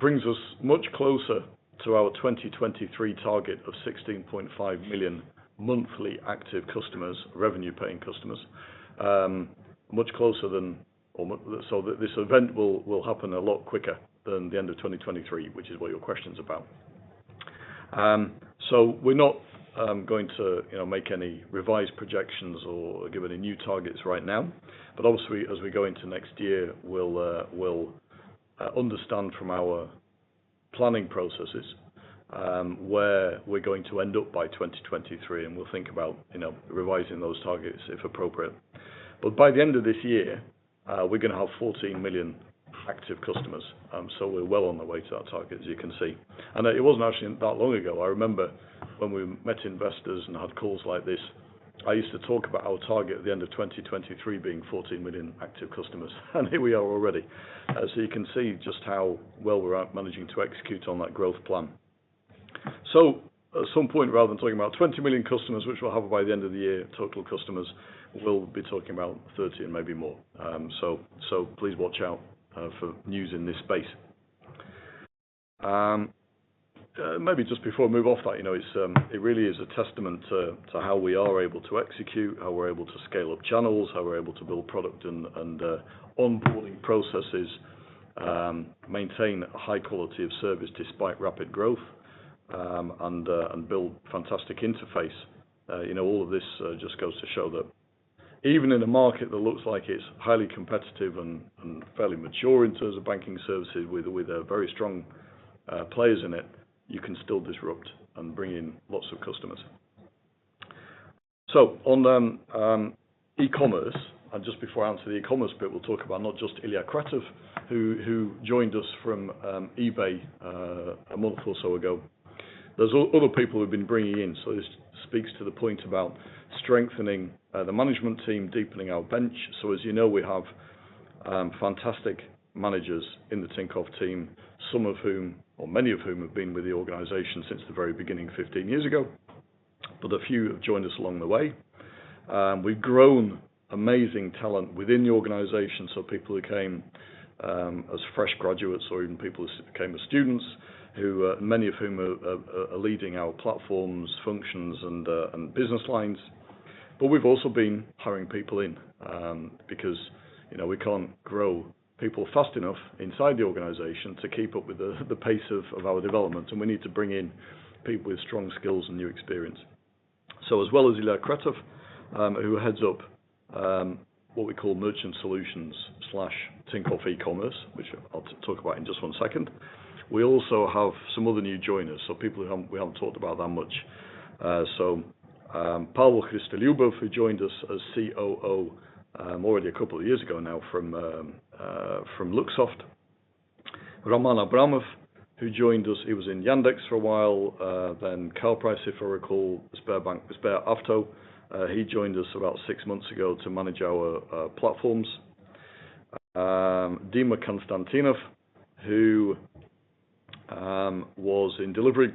brings us much closer to our 2023 target of 16.5 million monthly active customers, revenue paying customers, much closer than this event will happen a lot quicker than the end of 2023, which is what your question's about. We're not going to, you know, make any revised projections or give any new targets right now. Obviously, as we go into next year, we'll understand from our planning processes where we're going to end up by 2023, and we'll think about, you know, revising those targets if appropriate. By the end of this year, we're gonna have 14 million active customers, so we're well on the way to our target, as you can see. It wasn't actually that long ago. I remember when we met investors and had calls like this, I used to talk about our target at the end of 2023 being 14 million active customers, and here we are already. As you can see just how well we're at managing to execute on that growth plan. At some point, rather than talking about 20 million customers, which we'll have by the end of the year, total customers, we'll be talking about 30 and maybe more. Please watch out for news in this space. Maybe just before I move off that, you know, it's really a testament to how we are able to execute, how we're able to scale up channels, how we're able to build product and onboarding processes, maintain a high quality of service despite rapid growth, and build fantastic interface. You know, all of this just goes to show that even in a market that looks like it's highly competitive and fairly mature in terms of banking services with very strong players in it, you can still disrupt and bring in lots of customers. On e-commerce, and just before I answer the e-commerce bit, we'll talk about not just Ilya Kretov, who joined us from eBay a month or so ago. There's other people we've been bringing in, so this speaks to the point about strengthening the management team, deepening our bench. As you know, we have fantastic managers in the Tinkoff team, some of whom, or many of whom have been with the organization since the very beginning, 15 years ago, but a few have joined us along the way. We've grown amazing talent within the organization, so people who came as fresh graduates or even people who came as students, who many of whom are leading our platforms, functions and business lines. We've also been hiring people in because, you know, we can't grow people fast enough inside the organization to keep up with the pace of our development. We need to bring in people with strong skills and new experience. As well as Ilya Kretov, who heads up what we call merchant solutions slash Tinkoff eCommerce, which I'll talk about in just one second. We also have some other new joiners, people who we haven't talked about that much. Pavel Khristolyubov, who joined us as COO, already a couple of years ago now from Luxoft. Roman Abramov, who joined us, he was in Yandex for a while, then CarPrice, if I recall, Sberbank SberAuto. He joined us about six months ago to manage our platforms. Dmitry Konstantinov, who was in Delivery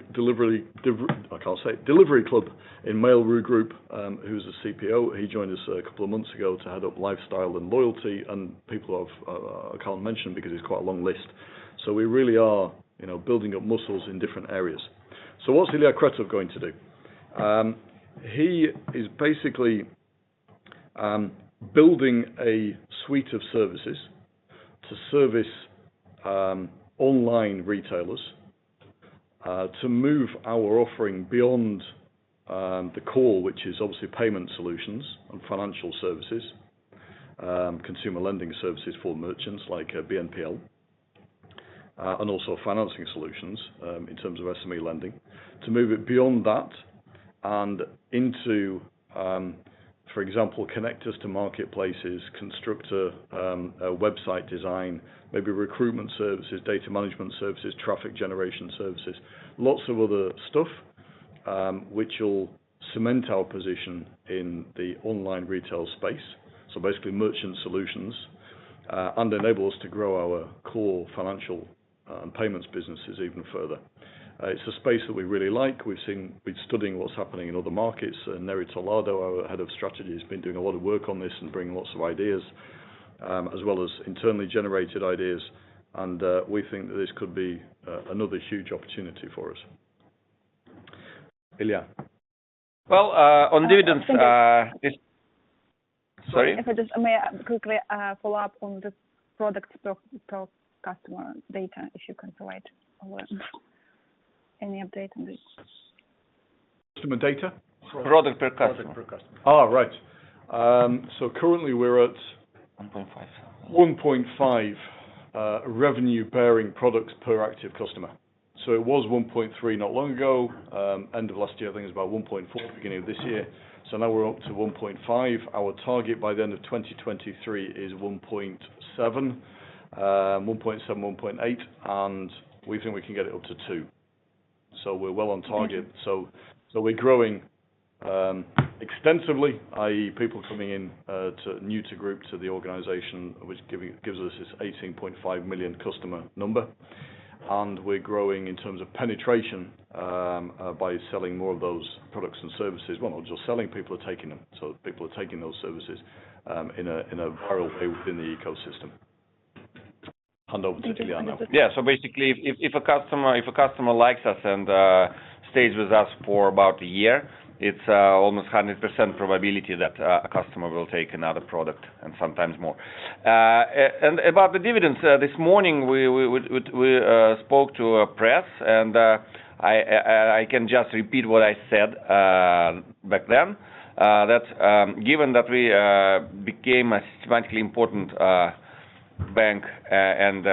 Club in Mail.ru Group, who's a CPO. He joined us a couple of months ago to head up lifestyle and loyalty. I can't mention because it's quite a long list. We really are, you know, building up muscles in different areas. What's Ilya Kretov going to do? He is basically building a suite of services to service online retailers to move our offering beyond the core, which is obviously payment solutions and financial services, consumer lending services for merchants like BNPL, and also financing solutions in terms of SME lending. To move it beyond that and into, for example, connectors to marketplaces, constructor website design, maybe recruitment services, data management services, traffic generation services, lots of other stuff, which will cement our position in the online retail space, so basically merchant solutions and enable us to grow our core financial payments businesses even further. It's a space that we really like. We've been studying what's happening in other markets. Neri Tollardo, our Head of Strategy, has been doing a lot of work on this and bringing lots of ideas, as well as internally generated ideas. We think that this could be another huge opportunity for us. Ilya? Well, on dividends. Sorry? If I just may quickly follow up on the products per customer data, if you can provide any update on this. Customer data? Product per customer. Product per customer. Currently, we're at 1.5. 1.5 revenue-bearing products per active customer. It was 1.3 not long ago. End of last year, I think it was about 1.4 at the beginning of this year. Now we're up to 1.5. Our target by the end of 2023 is 1.7-1.8, and we think we can get it up to 2. We're well on target. We're growing extensively, i.e., people coming in new to group, to the organization, which gives us this 18.5 million customer number. We're growing in terms of penetration by selling more of those products and services. Well, not just selling, people are taking them. People are taking those services in a viral way within the ecosystem. Hand over to Ilya now. Yeah. Basically, if a customer likes us and stays with us for about a year, it's almost 100% probability that a customer will take another product and sometimes more. About the dividends, this morning we spoke to the press and I can just repeat what I said back then that given that we became a systemically important bank and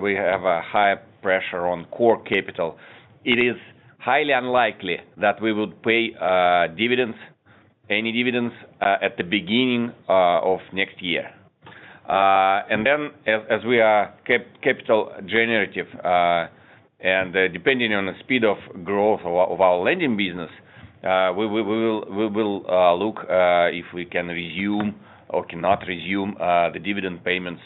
we have a high pressure on core capital it is highly unlikely that we would pay dividends any dividends at the beginning of next year. As we are capital generative and depending on the speed of growth of our lending business we will look if we can resume or cannot resume the dividend payments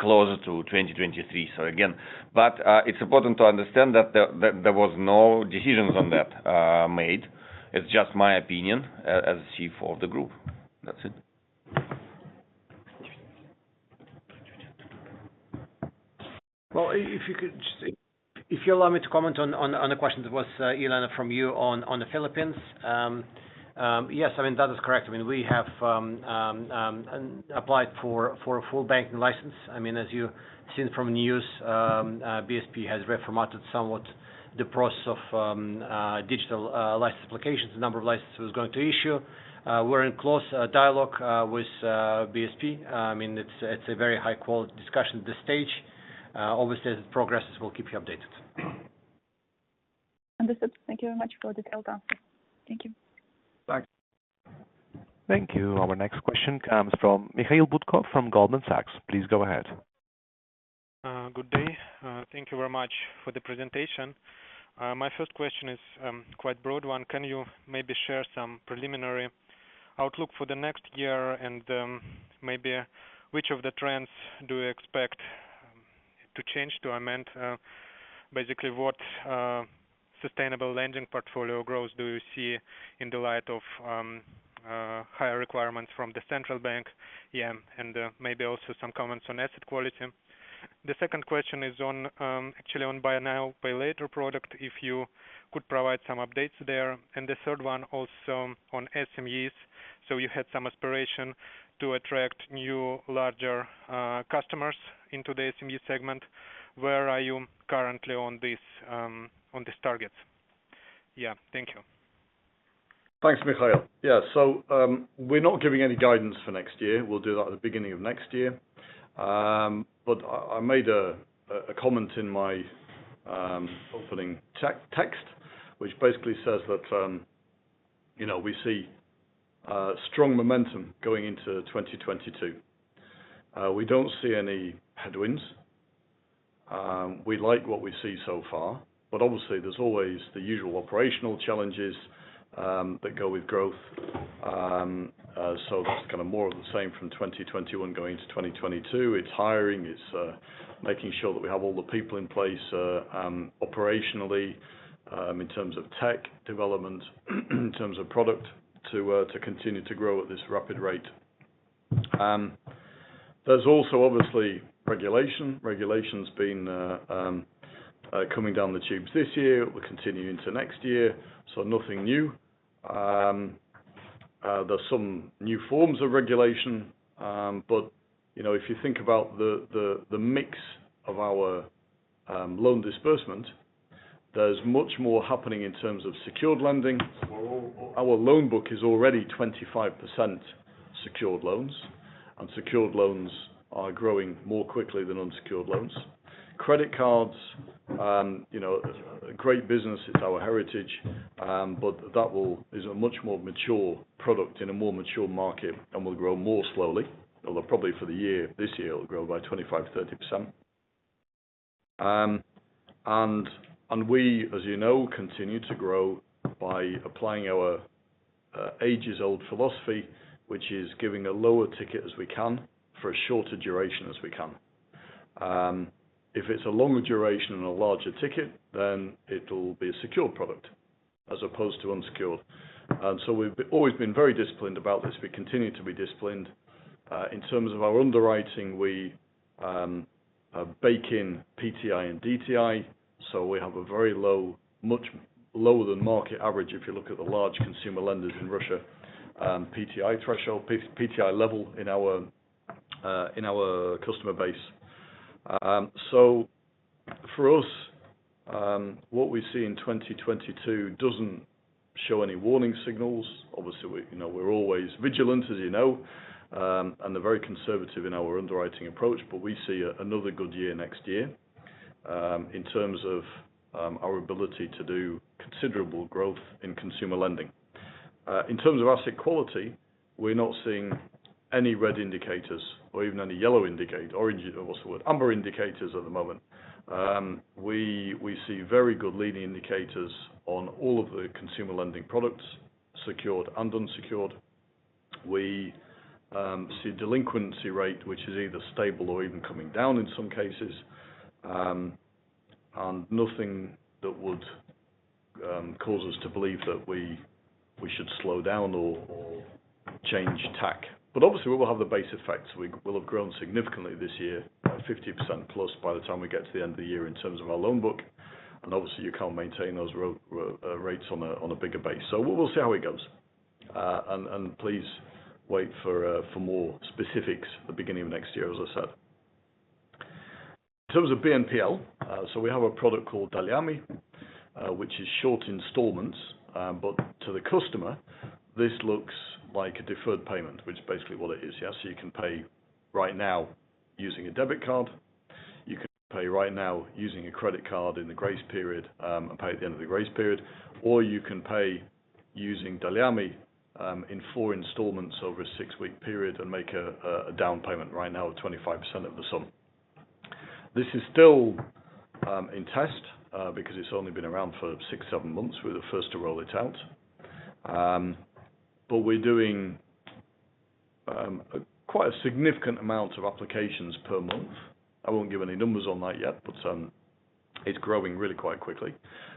closer to 2023. Again, it's important to understand that there was no decisions on that made. It's just my opinion as Chief of the group. That's it. Well, if you allow me to comment on the question that was from Elena on the Philippines. Yes, I mean, that is correct. I mean, we have applied for a full banking license. I mean, as you've seen from news, BSP has reformatted somewhat the process of digital license applications, the number of licenses it was going to issue. We're in close dialogue with BSP. I mean, it's a very high-quality discussion at this stage. Obviously, as it progresses, we'll keep you updated. Understood. Thank you very much for the detail, Dan. Thank you. Thanks. Thank you. Our next question comes from Mikhail Butkov from Goldman Sachs. Please go ahead. Good day. Thank you very much for the presentation. My first question is quite broad one. Can you maybe share some preliminary outlook for the next year and maybe which of the trends do you expect to change? Do you mean basically what sustainable lending portfolio growth do you see in the light of higher requirements from the central bank? Maybe also some comments on asset quality. The second question is on actually on Buy Now, Pay Later product, if you could provide some updates there. The third one also on SMEs. You had some aspiration to attract new, larger customers into the SME segment. Where are you currently on these targets? Thank you. Thanks, Mikhail. Yeah. We're not giving any guidance for next year. We'll do that at the beginning of next year. I made a comment in my opening text, which basically says that, you know, we see strong momentum going into 2022. We don't see any headwinds. We like what we see so far, but obviously there's always the usual operational challenges that go with growth. That's kind of more of the same from 2021 going into 2022. It's hiring. It's making sure that we have all the people in place operationally in terms of tech development, in terms of product to continue to grow at this rapid rate. There's also obviously regulation. Regulation's been coming down the tubes this year. We're continuing to next year, so nothing new. There's some new forms of regulation, but you know, if you think about the mix of our loan disbursement, there's much more happening in terms of secured lending. Our loan book is already 25% secured loans, and secured loans are growing more quickly than unsecured loans. Credit cards, you know, great business. It's our heritage, but is a much more mature product in a more mature market and will grow more slowly. Although probably for the year, this year, it'll grow by 25%-30%. We, as you know, continue to grow by applying our ages-old philosophy, which is giving a lower ticket as we can for a shorter duration as we can. If it's a longer duration and a larger ticket, then it'll be a secured product as opposed to unsecured. We've always been very disciplined about this. We continue to be disciplined. In terms of our underwriting, we bake in PTI and DTI, so we have a very low, much lower than market average, if you look at the large consumer lenders in Russia, PTI threshold, PTI level in our customer base. For us, what we see in 2022 doesn't show any warning signals. Obviously, we, you know, we're always vigilant, as you know, and we're very conservative in our underwriting approach, but we see another good year next year in terms of our ability to do considerable growth in consumer lending. In terms of asset quality, we're not seeing any red indicators or even any yellow, orange, amber indicators at the moment. We see very good leading indicators on all of the consumer lending products, secured and unsecured. We see delinquency rate, which is either stable or even coming down in some cases, and nothing that would cause us to believe that we should slow down or change tack. Obviously, we will have the base effects. We will have grown significantly this year, by 50% plus by the time we get to the end of the year in terms of our loan book. Obviously, you can't maintain those growth rates on a bigger base. We'll see how it goes. Please wait for more specifics at the beginning of next year, as I said. In terms of BNPL, we have a product called Dolyame, which is short installments. But to the customer, this looks like a deferred payment, which is basically what it is, yeah. You can pay right now using a debit card, you can pay right now using a credit card in the grace period, and pay at the end of the grace period, or you can pay using Dolyame, in four installments over a 6-week period and make a down payment right now of 25% of the sum. This is still in test, because it's only been around for 6, 7 months. We're the first to roll it out. We're doing quite a significant amount of applications per month. I won't give any numbers on that yet, but it's growing really quite quickly.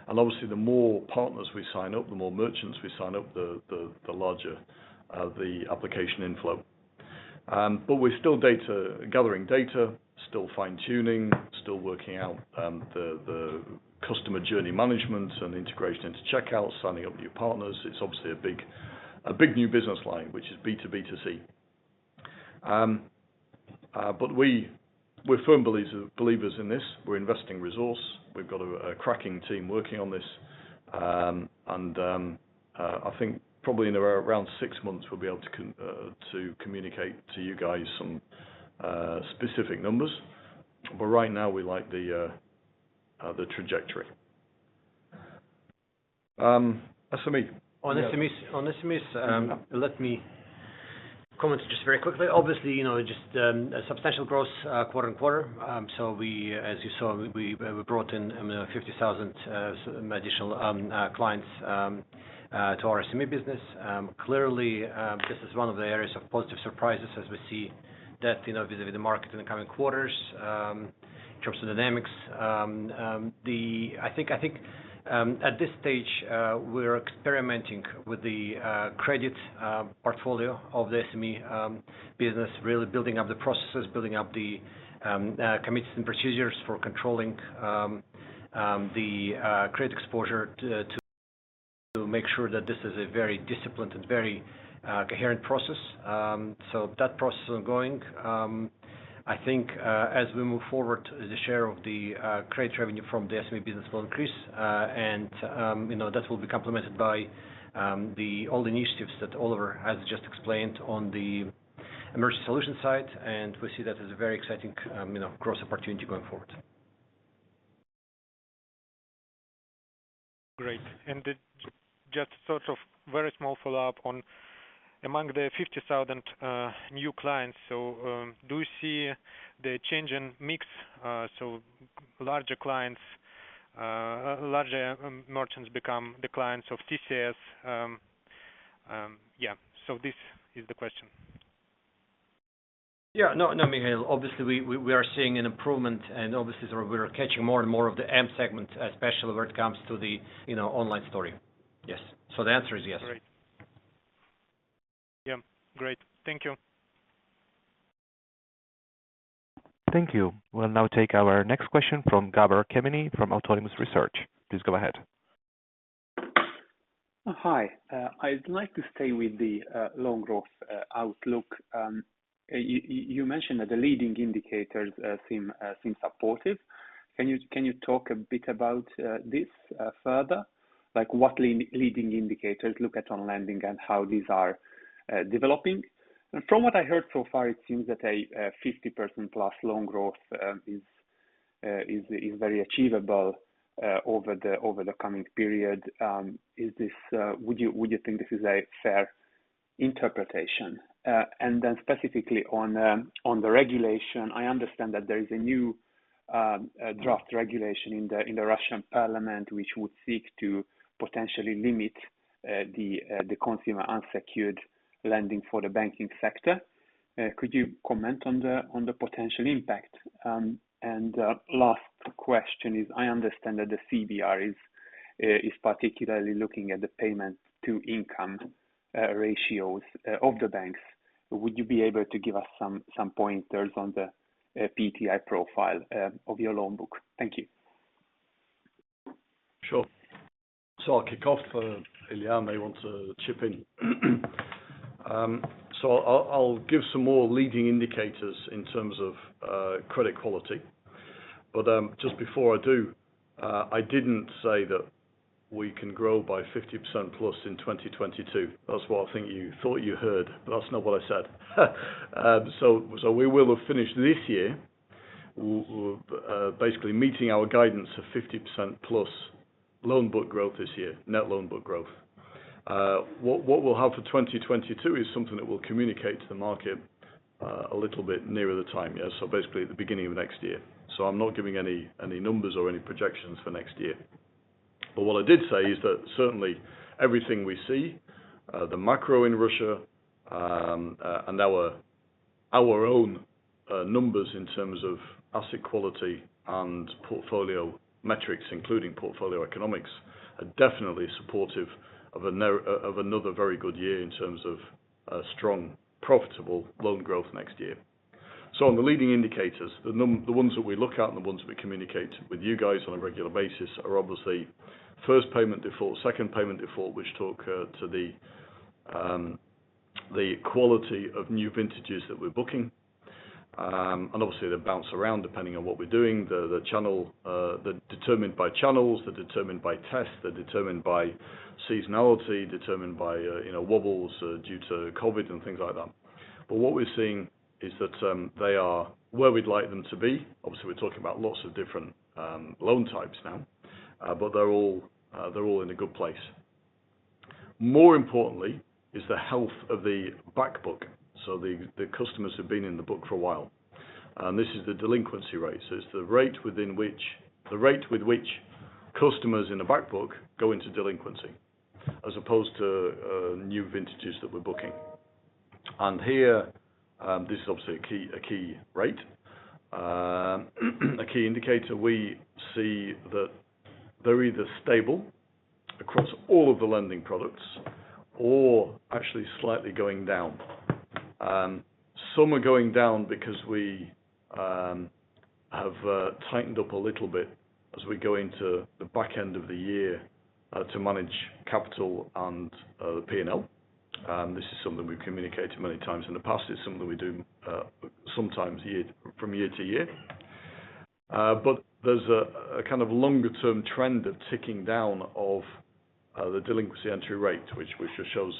Obviously, the more partners we sign up, the more merchants we sign up, the larger the application inflow. We're still gathering data, still fine-tuning, still working out the customer journey management and integration into checkout, signing up new partners. It's obviously a big new business line, which is B to B to C. We're firm believers in this. We're investing resource. We've got a cracking team working on this. I think probably in around six months, we'll be able to communicate to you guys some specific numbers. Right now we like the trajectory. SME. On SMEs, let me comment just very quickly. Obviously, you know, just a substantial growth quarter-on-quarter. So we, as you saw, brought in 50,000 additional clients to our SME business. Clearly, this is one of the areas of positive surprises as we see depth, you know, vis-à-vis the market in the coming quarters. In terms of dynamics, I think at this stage we're experimenting with the credit portfolio of the SME business, really building up the processes, building up the committees and procedures for controlling the credit exposure to make sure that this is a very disciplined and very coherent process. So that process is ongoing. I think as we move forward, the share of the credit revenue from the SME business will increase. You know, that will be complemented by the old initiatives that Oliver has just explained on the merchant solution side, and we see that as a very exciting growth opportunity going forward. Great. Just sort of very small follow-up on among the 50,000 new clients, do you see the change in mix, larger clients, larger merchants become the clients of TCS? Yeah, this is the question. Yeah. No, Mikhail, obviously, we are seeing an improvement, and obviously so we are catching more and more of the M segment, especially when it comes to the, you know, online story. Yes. The answer is yes. Great. Yeah. Great. Thank you. Thank you. We'll now take our next question from Gabor Kemenyi from Autonomous Research. Please go ahead. Hi. I'd like to stay with the loan growth outlook. You mentioned that the leading indicators seem supportive. Can you talk a bit about this further? Like what leading indicators look at on lending and how these are developing? From what I heard so far, it seems that a 50%+ loan growth is very achievable over the coming period. Would you think this is a fair interpretation? Then specifically on the regulation, I understand that there is a new draft regulation in the Russian parliament, which would seek to potentially limit the consumer unsecured lending for the banking sector. Could you comment on the potential impact? Last question is, I understand that the CBR is particularly looking at the payment to income ratios of the banks. Would you be able to give us some pointers on the PTI profile of your loan book? Thank you. Sure. I'll kick off. Ilya may want to chip in. I'll give some more leading indicators in terms of credit quality. Just before I do, I didn't say that we can grow by 50% plus in 2022. That's what I think you thought you heard, but that's not what I said. We will have finished this year basically meeting our guidance of 50% plus loan book growth this year, net loan book growth. What we'll have for 2022 is something that we'll communicate to the market a little bit nearer the time, yeah? Basically at the beginning of next year. I'm not giving any numbers or any projections for next year. What I did say is that certainly everything we see, the macro in Russia, and our own numbers in terms of asset quality and portfolio metrics, including portfolio economics, are definitely supportive of another very good year in terms of a strong, profitable loan growth next year. On the leading indicators, the ones that we look at and the ones we communicate with you guys on a regular basis are obviously first payment default, second payment default, which talk to the quality of new vintages that we're booking. And obviously, they bounce around depending on what we're doing. The channel, they're determined by channels, they're determined by tests, they're determined by seasonality, determined by, you know, wobbles due to COVID and things like that. What we're seeing is that they are where we'd like them to be. Obviously, we're talking about lots of different loan types now, but they're all in a good place. More importantly is the health of the backbook, the customers who have been in the book for a while. This is the delinquency rate. It's the rate with which customers in the backbook go into delinquency, as opposed to new vintages that we're booking. Here this is obviously a key rate, a key indicator. We see that they're either stable across all of the lending products or actually slightly going down. Some are going down because we have tightened up a little bit as we go into the back end of the year to manage capital and the P&L. This is something we've communicated many times in the past. It's something we do sometimes, from year to year. There's a kind of longer-term trend of ticking down of the delinquency entry rate, which just shows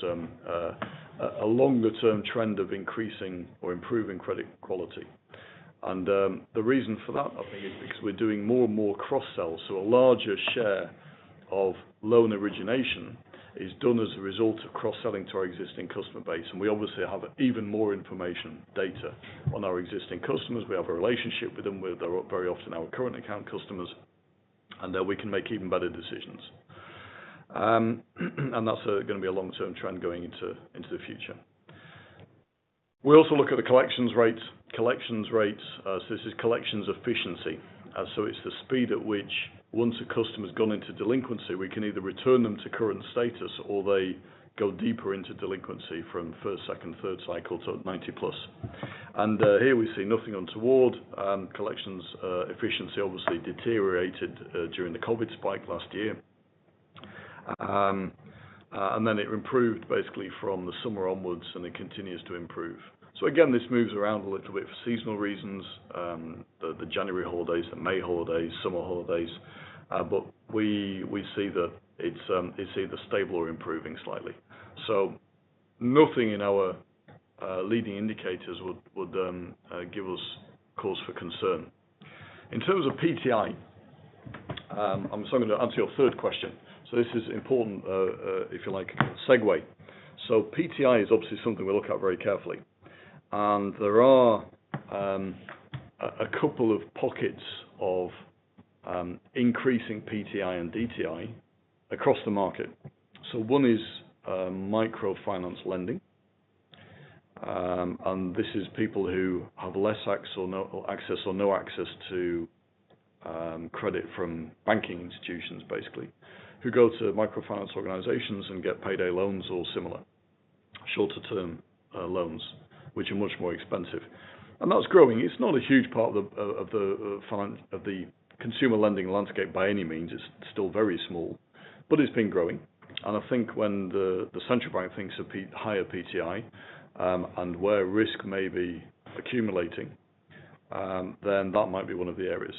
a longer-term trend of increasing or improving credit quality. The reason for that, I think, is because we're doing more and more cross-sells. A larger share of loan origination is done as a result of cross-selling to our existing customer base. We obviously have even more information data on our existing customers. We have a relationship with them, where they're very often our current account customers, and then we can make even better decisions. That's gonna be a long-term trend going into the future. We also look at the collections rates. Collections rates, so this is collections efficiency. It's the speed at which once a customer's gone into delinquency, we can either return them to current status, or they go deeper into delinquency from first, second, third cycle to 90+. Here we see nothing untoward. Collections efficiency obviously deteriorated during the COVID spike last year. It improved basically from the summer onwards, and it continues to improve. Again, this moves around a little bit for seasonal reasons, the January holidays, the May holidays, summer holidays. We see that it's either stable or improving slightly. Nothing in our leading indicators would give us cause for concern. In terms of PTI, I'm starting to answer your third question. This is important, if you like, segue. PTI is obviously something we look at very carefully, and there are a couple of pockets of increasing PTI and DTI across the market. One is microfinance lending. This is people who have less access or no access to credit from banking institutions, basically, who go to microfinance organizations and get payday loans or similar shorter term loans, which are much more expensive. That's growing. It's not a huge part of the consumer lending landscape by any means. It's still very small, but it's been growing. I think when the central bank thinks of higher PTI, and where risk may be accumulating, then that might be one of the areas.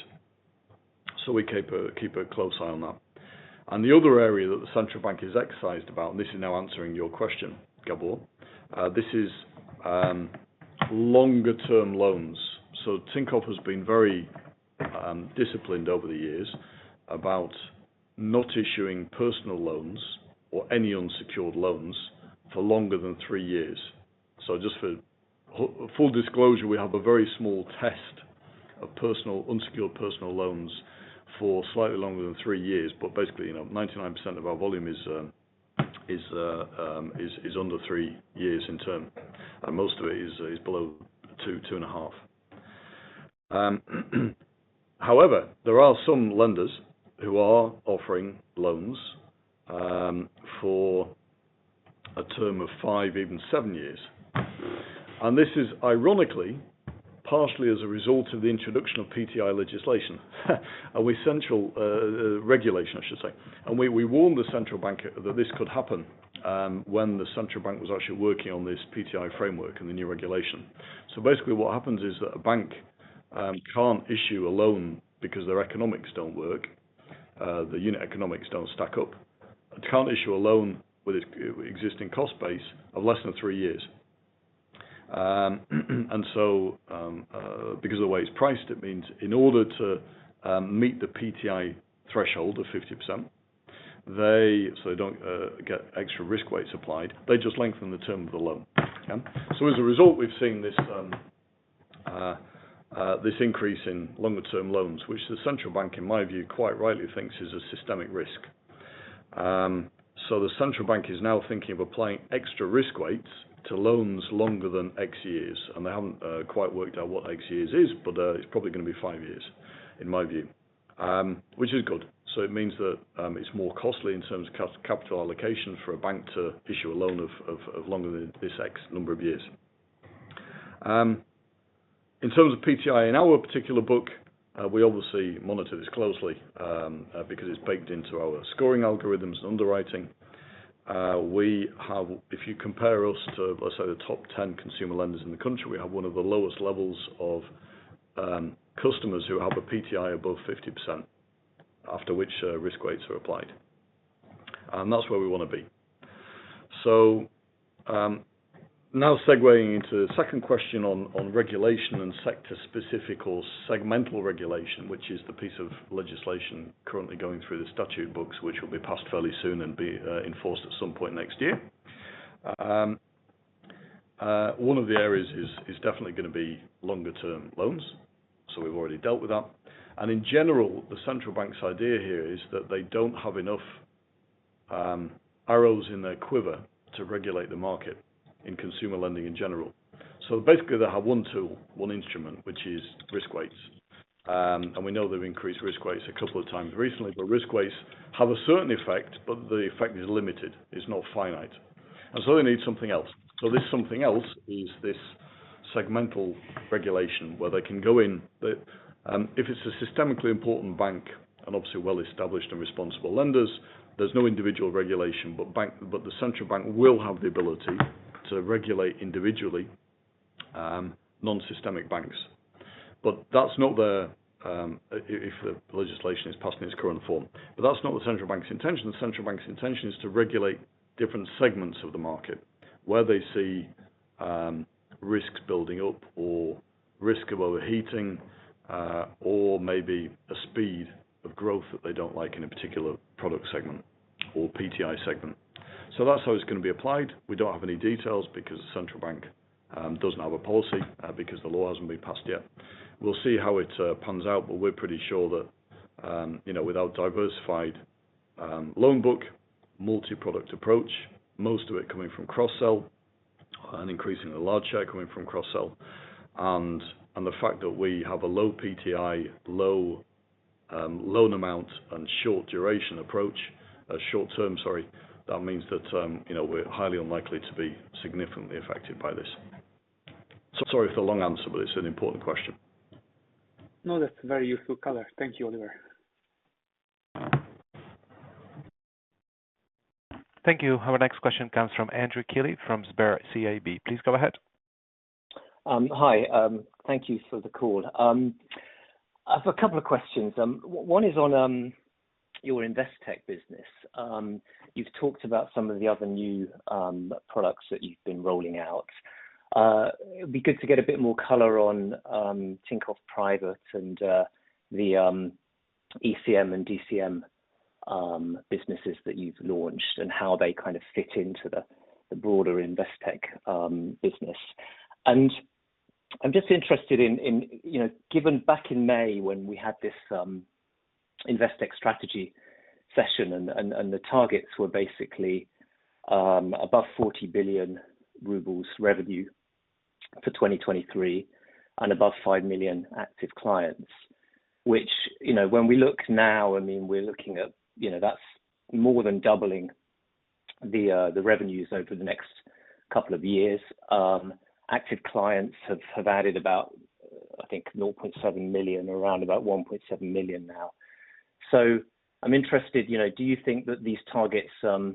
We keep a close eye on that. The other area that the central bank is exercised about, and this is now answering your question, Gabor, this is longer-term loans. Tinkoff has been very disciplined over the years about not issuing personal loans or any unsecured loans for longer than three years. Just for full disclosure, we have a very small test of personal, unsecured personal loans for slightly longer than three years. Basically, you know, 99% of our volume is under 3 years in term, and most of it is below 2-2.5. However, there are some lenders who are offering loans for a term of 5, even 7 years. This is ironically, partially as a result of the introduction of PTI legislation with Central regulation, I should say. We warned the Central Bank that this could happen when the Central Bank was actually working on this PTI framework and the new regulation. Basically what happens is that a bank can't issue a loan because their economics don't work. The unit economics don't stack up. It can't issue a loan with its existing cost base of less than 3 years. Because of the way it's priced, it means in order to meet the PTI threshold of 50%, they don't get extra risk weights applied, they just lengthen the term of the loan. As a result, we've seen this increase in longer term loans, which the central bank, in my view, quite rightly thinks is a systemic risk. The central bank is now thinking of applying extra risk weights to loans longer than X years, and they haven't quite worked out what X years is, but it's probably gonna be five years. In my view, which is good. It means that it's more costly in terms of capital allocation for a bank to issue a loan of longer than this X number of years. In terms of PTI, in our particular book, we obviously monitor this closely, because it's baked into our scoring algorithms, underwriting. If you compare us to, let's say, the top 10 consumer lenders in the country, we have one of the lowest levels of customers who have a PTI above 50%, after which risk weights are applied. That's where we wanna be. Now segueing into the second question on regulation and sector-specific or segmental regulation, which is the piece of legislation currently going through the statute books, which will be passed fairly soon and be enforced at some point next year. One of the areas is definitely gonna be longer-term loans, so we've already dealt with that. In general, the Central Bank's idea here is that they don't have enough arrows in their quiver to regulate the market in consumer lending in general. Basically, they have one tool, one instrument, which is risk weights. We know they've increased risk weights a couple of times recently, but risk weights have a certain effect, but the effect is limited. It's not finite. They need something else. This something else is this segmental regulation where they can go in. If it's a systemically important bank and obviously well established and responsible lenders, there's no individual regulation, but the Central Bank will have the ability to regulate individually non-systemic banks. That's not the, if the legislation is passed in its current form. That's not the Central Bank's intention. The central bank's intention is to regulate different segments of the market where they see risks building up or risk of overheating, or maybe a speed of growth that they don't like in a particular product segment or PTI segment. That's how it's gonna be applied. We don't have any details because the central bank doesn't have a policy because the law hasn't been passed yet. We'll see how it pans out, but we're pretty sure that, you know, with a diversified loan book, multi-product approach, most of it coming from cross-sell and increasingly a large share coming from cross-sell, and the fact that we have a low PTI, low loan amount and short-term approach, that means that, you know, we're highly unlikely to be significantly affected by this. Sorry for the long answer, but it's an important question. No, that's a very useful color. Thank you, Oliver. Thank you. Our next question comes from Andrew Keeley from SberCIB. Please go ahead. Hi. Thank you for the call. I have a couple of questions. One is on your InvestTech business. You've talked about some of the other new products that you've been rolling out. It'd be good to get a bit more color on Tinkoff Private and the ECM and DCM businesses that you've launched and how they kind of fit into the broader InvestTech business. I'm just interested in, you know, given back in May when we had this InvestTech strategy session and the targets were basically above 40 billion rubles revenue for 2023 and above 5 million active clients, which, you know, when we look now, I mean, we're looking at, you know, that's more than doubling the revenues over the next couple of years. Active clients have added about, I think, 0.7 million, around about 1.7 million now. So I'm interested, you know, do you think that these targets are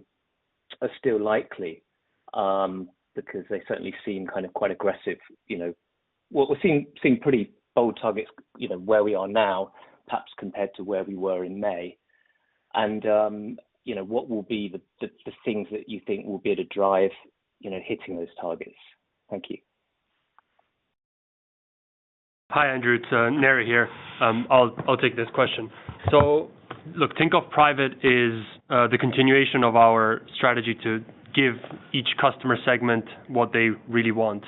still likely? Because they certainly seem kind of quite aggressive, you know. Well, they seem pretty bold targets, you know, where we are now, perhaps compared to where we were in May. You know, what will be the things that you think will be able to drive, you know, hitting those targets? Thank you. Hi, Andrew. It's Neri here. I'll take this question. Look, Tinkoff Private is the continuation of our strategy to give each customer segment what they really want.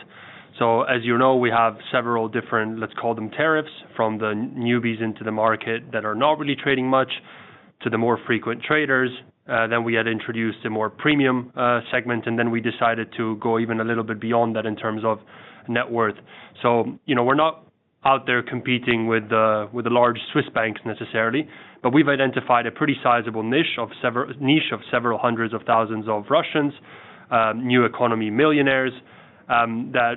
As you know, we have several different, let's call them tariffs, from the newbies into the market that are not really trading much to the more frequent traders. Then we had introduced a more premium segment, and then we decided to go even a little bit beyond that in terms of net worth. You know, we're not out there competing with the large Swiss banks necessarily, but we've identified a pretty sizable niche of niche of several hundreds of thousands of Russians, new economy millionaires, that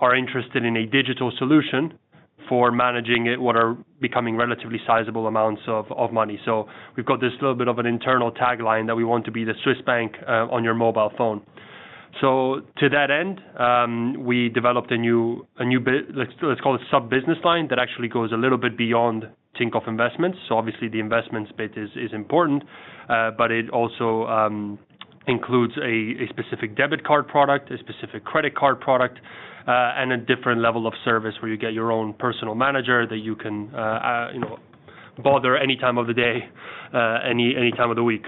are interested in a digital solution for managing it, what are becoming relatively sizable amounts of money. We've got this little bit of an internal tagline that we want to be the Swiss bank on your mobile phone. To that end, we developed a new sub business line that actually goes a little bit beyond Tinkoff Investments. Obviously the investments bit is important, but it also includes a specific debit card product, a specific credit card product, and a different level of service where you get your own personal manager that you can you know bother any time of the day, any time of the week.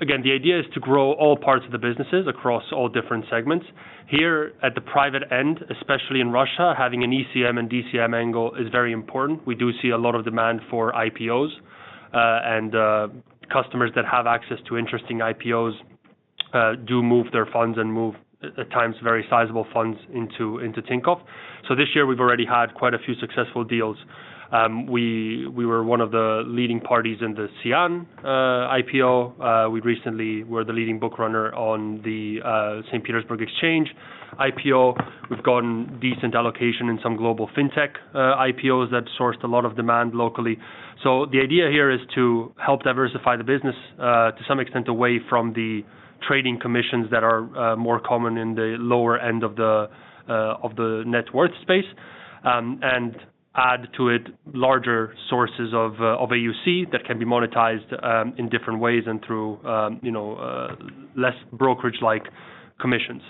Again, the idea is to grow all parts of the businesses across all different segments. Here at the private end, especially in Russia, having an ECM and DCM angle is very important. We do see a lot of demand for IPOs, and customers that have access to interesting IPOs. They do move their funds and, at times, very sizable funds into Tinkoff. This year we've already had quite a few successful deals. We were one of the leading parties in the CIAN IPO. We recently were the leading book runner on the SPB Exchange IPO. We've gotten decent allocation in some global fintech IPOs that sourced a lot of demand locally. The idea here is to help diversify the business, to some extent away from the trading commissions that are more common in the lower end of the net worth space, and add to it larger sources of AUC that can be monetized in different ways and through, you know, less brokerage-like commissions.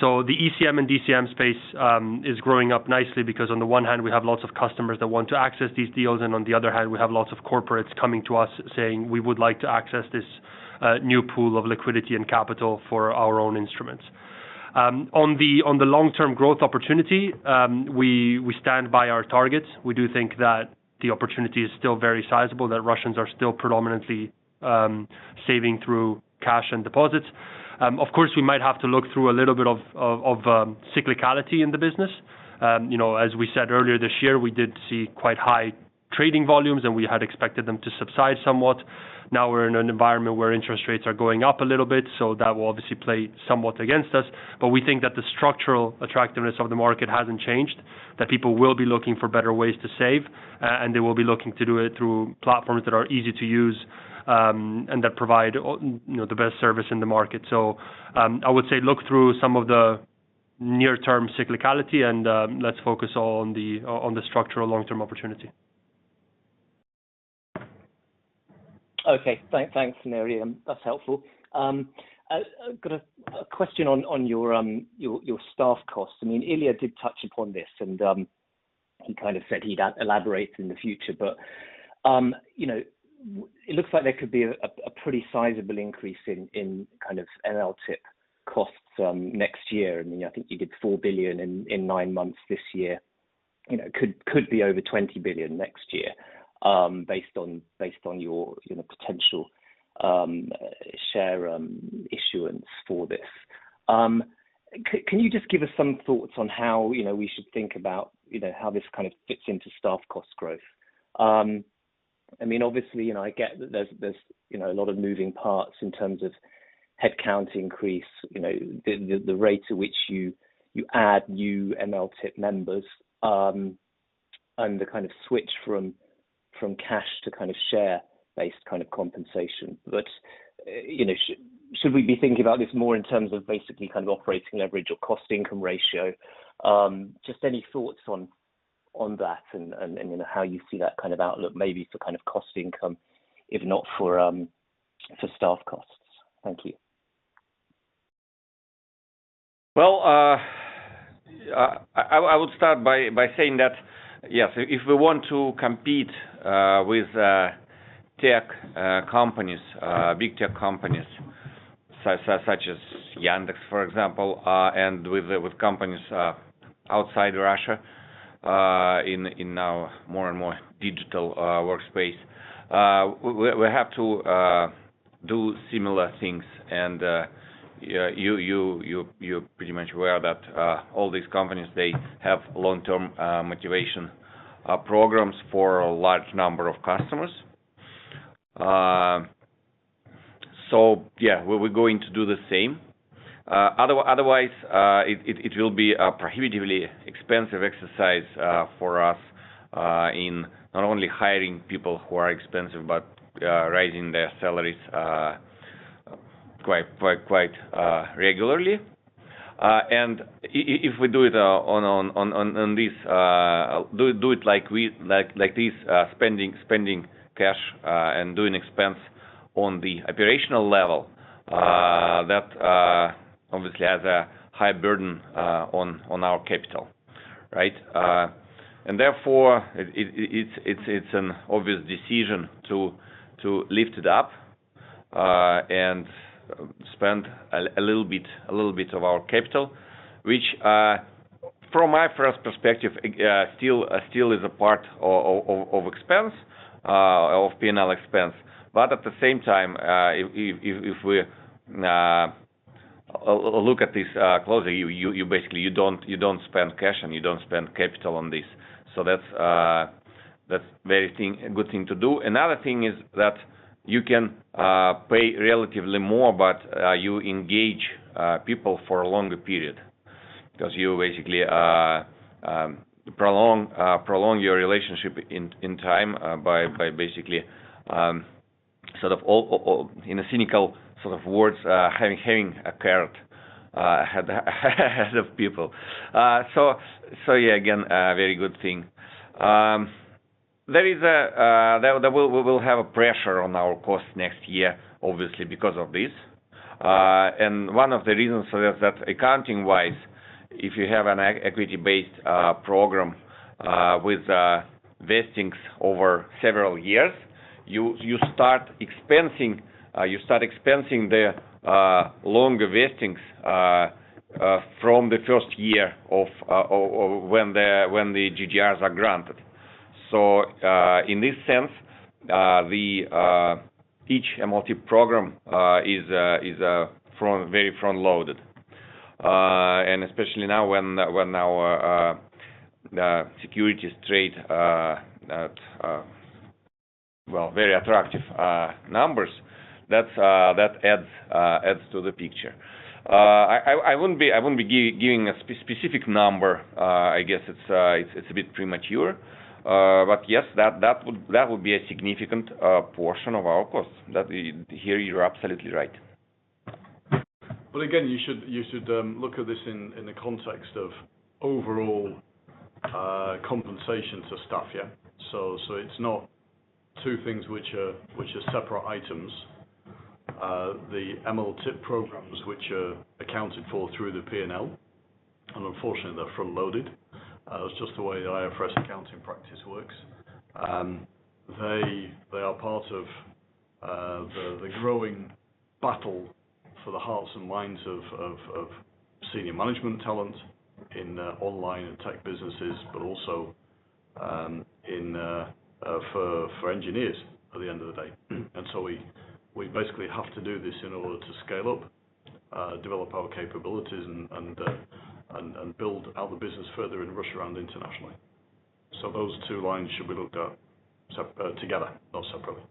The ECM and DCM space is growing up nicely because on the one hand, we have lots of customers that want to access these deals, and on the other hand, we have lots of corporates coming to us saying, "We would like to access this new pool of liquidity and capital for our own instruments." On the long-term growth opportunity, we stand by our targets. We do think that the opportunity is still very sizable, that Russians are still predominantly saving through cash and deposits. Of course, we might have to look through a little bit of cyclicality in the business. You know, as we said earlier, this year, we did see quite high trading volumes, and we had expected them to subside somewhat. Now we're in an environment where interest rates are going up a little bit, so that will obviously play somewhat against us. We think that the structural attractiveness of the market hasn't changed, that people will be looking for better ways to save, and they will be looking to do it through platforms that are easy to use, and that provide you know, the best service in the market. I would say look through some of the near-term cyclicality and, let's focus on the structural long-term opportunity. Thanks, Neri. That's helpful. I've got a question on your staff costs. I mean, Ilya did touch upon this and he kind of said he'd elaborate in the future, but you know, it looks like there could be a pretty sizable increase in kind of MLTIP costs next year. I mean, I think you did 4 billion in nine months this year. You know, could be over 20 billion next year, based on your potential share issuance for this. You know, can you just give us some thoughts on how we should think about how this kind of fits into staff cost growth? I mean, obviously, you know, I get that there's you know, a lot of moving parts in terms of headcount increase, you know, the rate at which you add new MLTIP members, and the kind of switch from cash to kind of share based kind of compensation. You know, should we be thinking about this more in terms of basically kind of operating leverage or cost income ratio? Just any thoughts on that and, you know, how you see that kind of outlook, maybe for kind of cost income, if not for staff costs? Thank you. Well, I would start by saying that, yes, if we want to compete with tech companies, big tech companies such as Yandex, for example, and with companies outside Russia, in our more and more digital workspace, we have to do similar things. Yeah, you're pretty much aware that all these companies, they have long-term motivation programs for a large number of customers. Yeah, we're going to do the same. Otherwise, it will be a prohibitively expensive exercise for us, in not only hiring people who are expensive, but raising their salaries quite regularly. If we do it on this like this, spending cash and doing expense on the operational level, that obviously has a high burden on our capital, right? Therefore, it's an obvious decision to lift it up and spend a little bit of our capital, which from my first perspective still is a part of P&L expense. At the same time, if we look at this closely, you basically don't spend cash and you don't spend capital on this. That's a good thing to do. Another thing is that you can pay relatively more, but you engage people for a longer period because you basically prolong your relationship in time by basically sort of all in a cynical sort of words having a carrot ha-ha ahead of people. Yeah, again, a very good thing. We will have a pressure on our cost next year, obviously, because of this. One of the reasons for that, accounting-wise, if you have an equity based program with vestings over several years, you start expensing the longer vestings from the first year or when the GDRs are granted. In this sense, each MLTIP program is very front-loaded. Especially now when our security is traded well with very attractive numbers. That adds to the picture. I wouldn't be giving a specific number. I guess it's a bit premature. Yes, that would be a significant portion of our costs. That is, here, you're absolutely right. Well, again, you should look at this in the context of overall compensation to staff, yeah. It's not two things which are separate items. The MLTIP programs which are accounted for through the P&L, and unfortunately they're front-loaded, it's just the way the IFRS accounting practice works. They are part of the growing battle for the hearts and minds of senior management talent in online and tech businesses, but also in for engineers at the end of the day. We basically have to do this in order to scale up, develop our capabilities and build out the business further in Russia and internationally. Those two lines should be looked at together, not separately.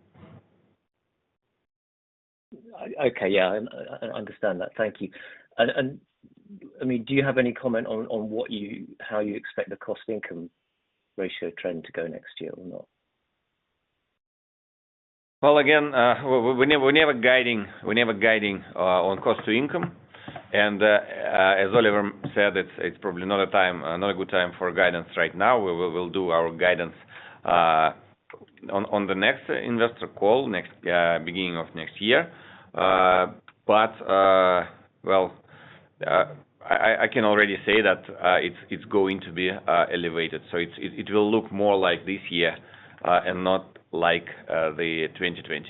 Okay. Yeah. I understand that. Thank you. I mean, do you have any comment on how you expect the cost income ratio trend to go next year or not? Well, again, we're never guiding on cost to income. As Oliver said, it's probably not a good time for guidance right now. We will do our guidance on the next investor call, beginning of next year. I can already say that it's going to be elevated. It will look more like this year and not like 2020.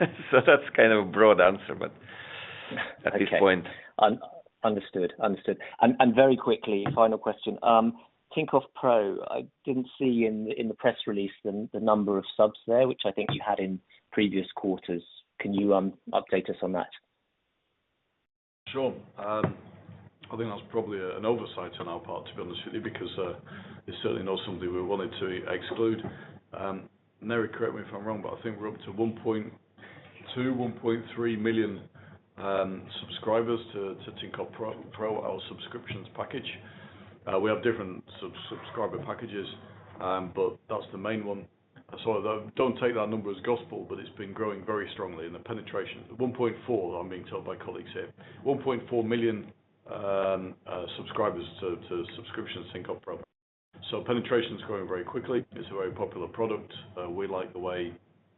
That's kind of a broad answer, but at this point. Okay. Understood. Very quickly, final question. Tinkoff Pro, I didn't see in the press release the number of subs there, which I think you had in previous quarters. Can you update us on that? Sure. I think that's probably an oversight on our part, to be honest with you, because it's certainly not somebody we wanted to exclude. Mary, correct me if I'm wrong, but I think we're up to 1.2, 1.3 million subscribers to Tinkoff Pro, our subscriptions package. We have different subscriber packages, but that's the main one. So don't take that number as gospel, but it's been growing very strongly. The penetration is at 1.4, I'm being told by colleagues here. 1.4 million subscribers to subscription Tinkoff Pro. So penetration is growing very quickly. It's a very popular product. We like the way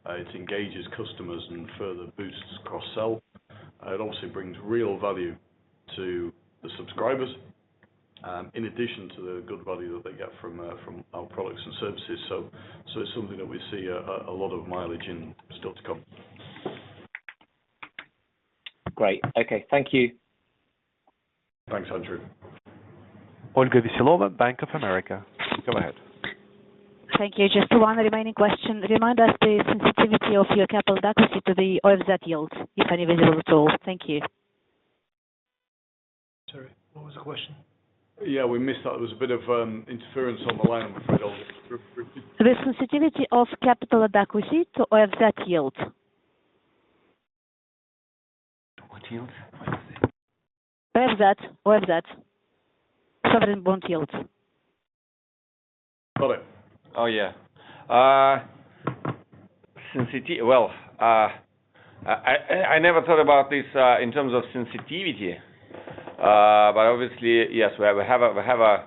it engages customers and further boosts cross-sell. It also brings real value to the subscribers, in addition to the good value that they get from our products and services. It's something that we see a lot of mileage in still to come. Great. Okay. Thank you. Thanks, Andrew. Olga Veselova, Bank of America, go ahead. Thank you. Just one remaining question. Remind us the sensitivity of your capital adequacy to the OFZ yields, if any visible at all. Thank you. Sorry, what was the question? Yeah, we missed that. There was a bit of interference on the line. Could you repeat the question? The sensitivity of capital adequacy to OFZ yields. What yield? I don't see. OFZ. Sovereign bond yields. Got it. Well, I never thought about this in terms of sensitivity. Obviously, yes, we have a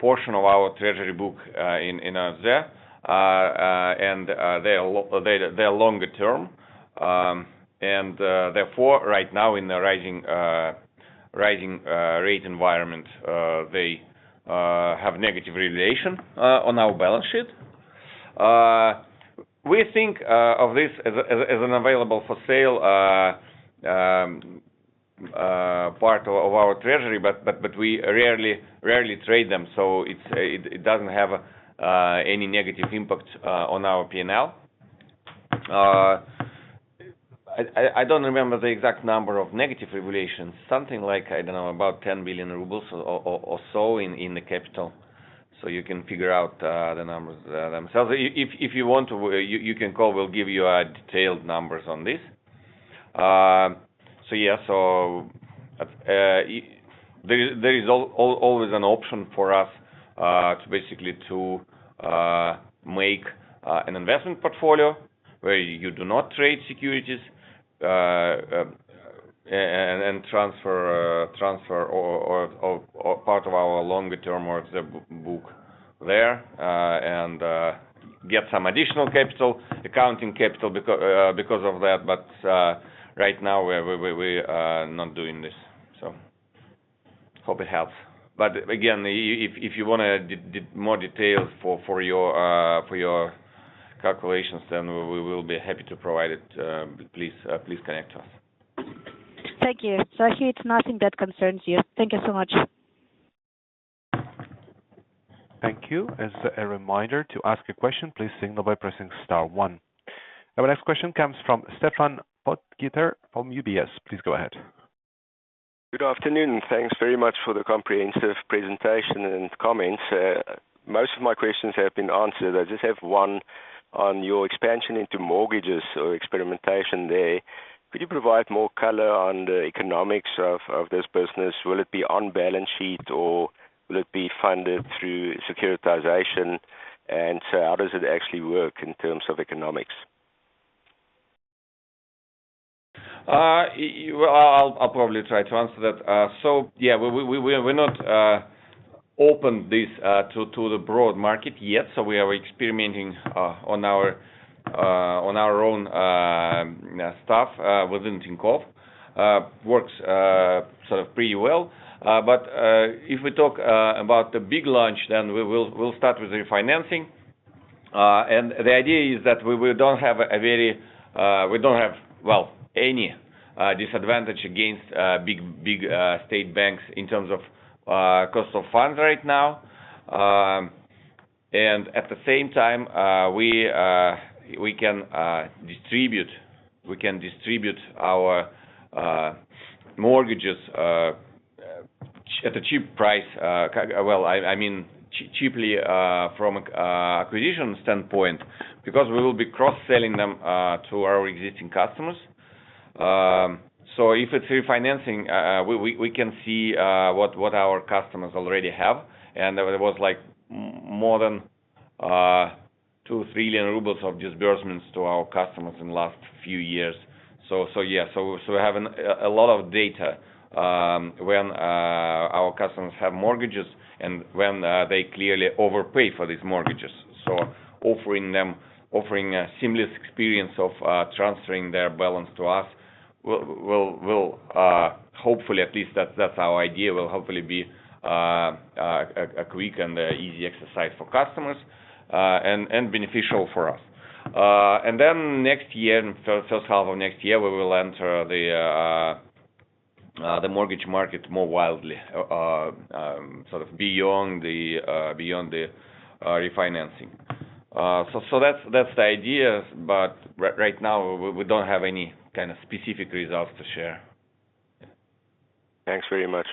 portion of our treasury book in OFZ. They're longer term. Therefore, right now in the rising rate environment, they have negative revaluation on our balance sheet. We think of this as an available for sale part of our treasury, but we rarely trade them, so it doesn't have any negative impact on our P&L. I don't remember the exact number of negative revaluations. Something like, I don't know, about 10 billion rubles or so in the capital. You can figure out the numbers themselves. If you want, you can call. We'll give you our detailed numbers on this. There is always an option for us to basically make an investment portfolio where you do not trade securities, and transfer or part of our longer term or the b-book there, and get some additional capital, accounting capital because of that. Right now we are not doing this. Hope it helps. Again, if you wanna more details for your calculations, then we will be happy to provide it. Please connect to us. Thank you. I hear it's nothing that concerns you. Thank you so much. Thank you. As a reminder to ask a question, please signal by pressing star one. Our next question comes from Stefan Bochgitter from UBS. Please go ahead. Good afternoon, and thanks very much for the comprehensive presentation and comments. Most of my questions have been answered. I just have one on your expansion into mortgages or experimentation there. Could you provide more color on the economics of this business? Will it be on balance sheet or will it be funded through securitization? How does it actually work in terms of economics? Yeah, well, I'll probably try to answer that. So yeah, we're not open this to the broad market yet, so we are experimenting on our own stuff within Tinkoff. It works sort of pretty well. If we talk about the big launch, then we'll start with refinancing. The idea is that we don't have any disadvantage against big state banks in terms of cost of funds right now. At the same time, we can distribute our mortgages at a cheap price. I mean, cheaply, from acquisition standpoint, because we will be cross-selling them to our existing customers. If it's refinancing, we can see what our customers already have. There was like more than 2-3 million rubles of disbursements to our customers in last few years. Yeah. We have a lot of data when our customers have mortgages and when they clearly overpay for these mortgages. Offering them a seamless experience of transferring their balance to us will hopefully, at least that's our idea, will hopefully be a quick and easy exercise for customers and beneficial for us. Next year, in first half of next year, we will enter the mortgage market more widely, sort of beyond the refinancing. That's the idea. Right now, we don't have any kind of specific results to share. Thanks very much.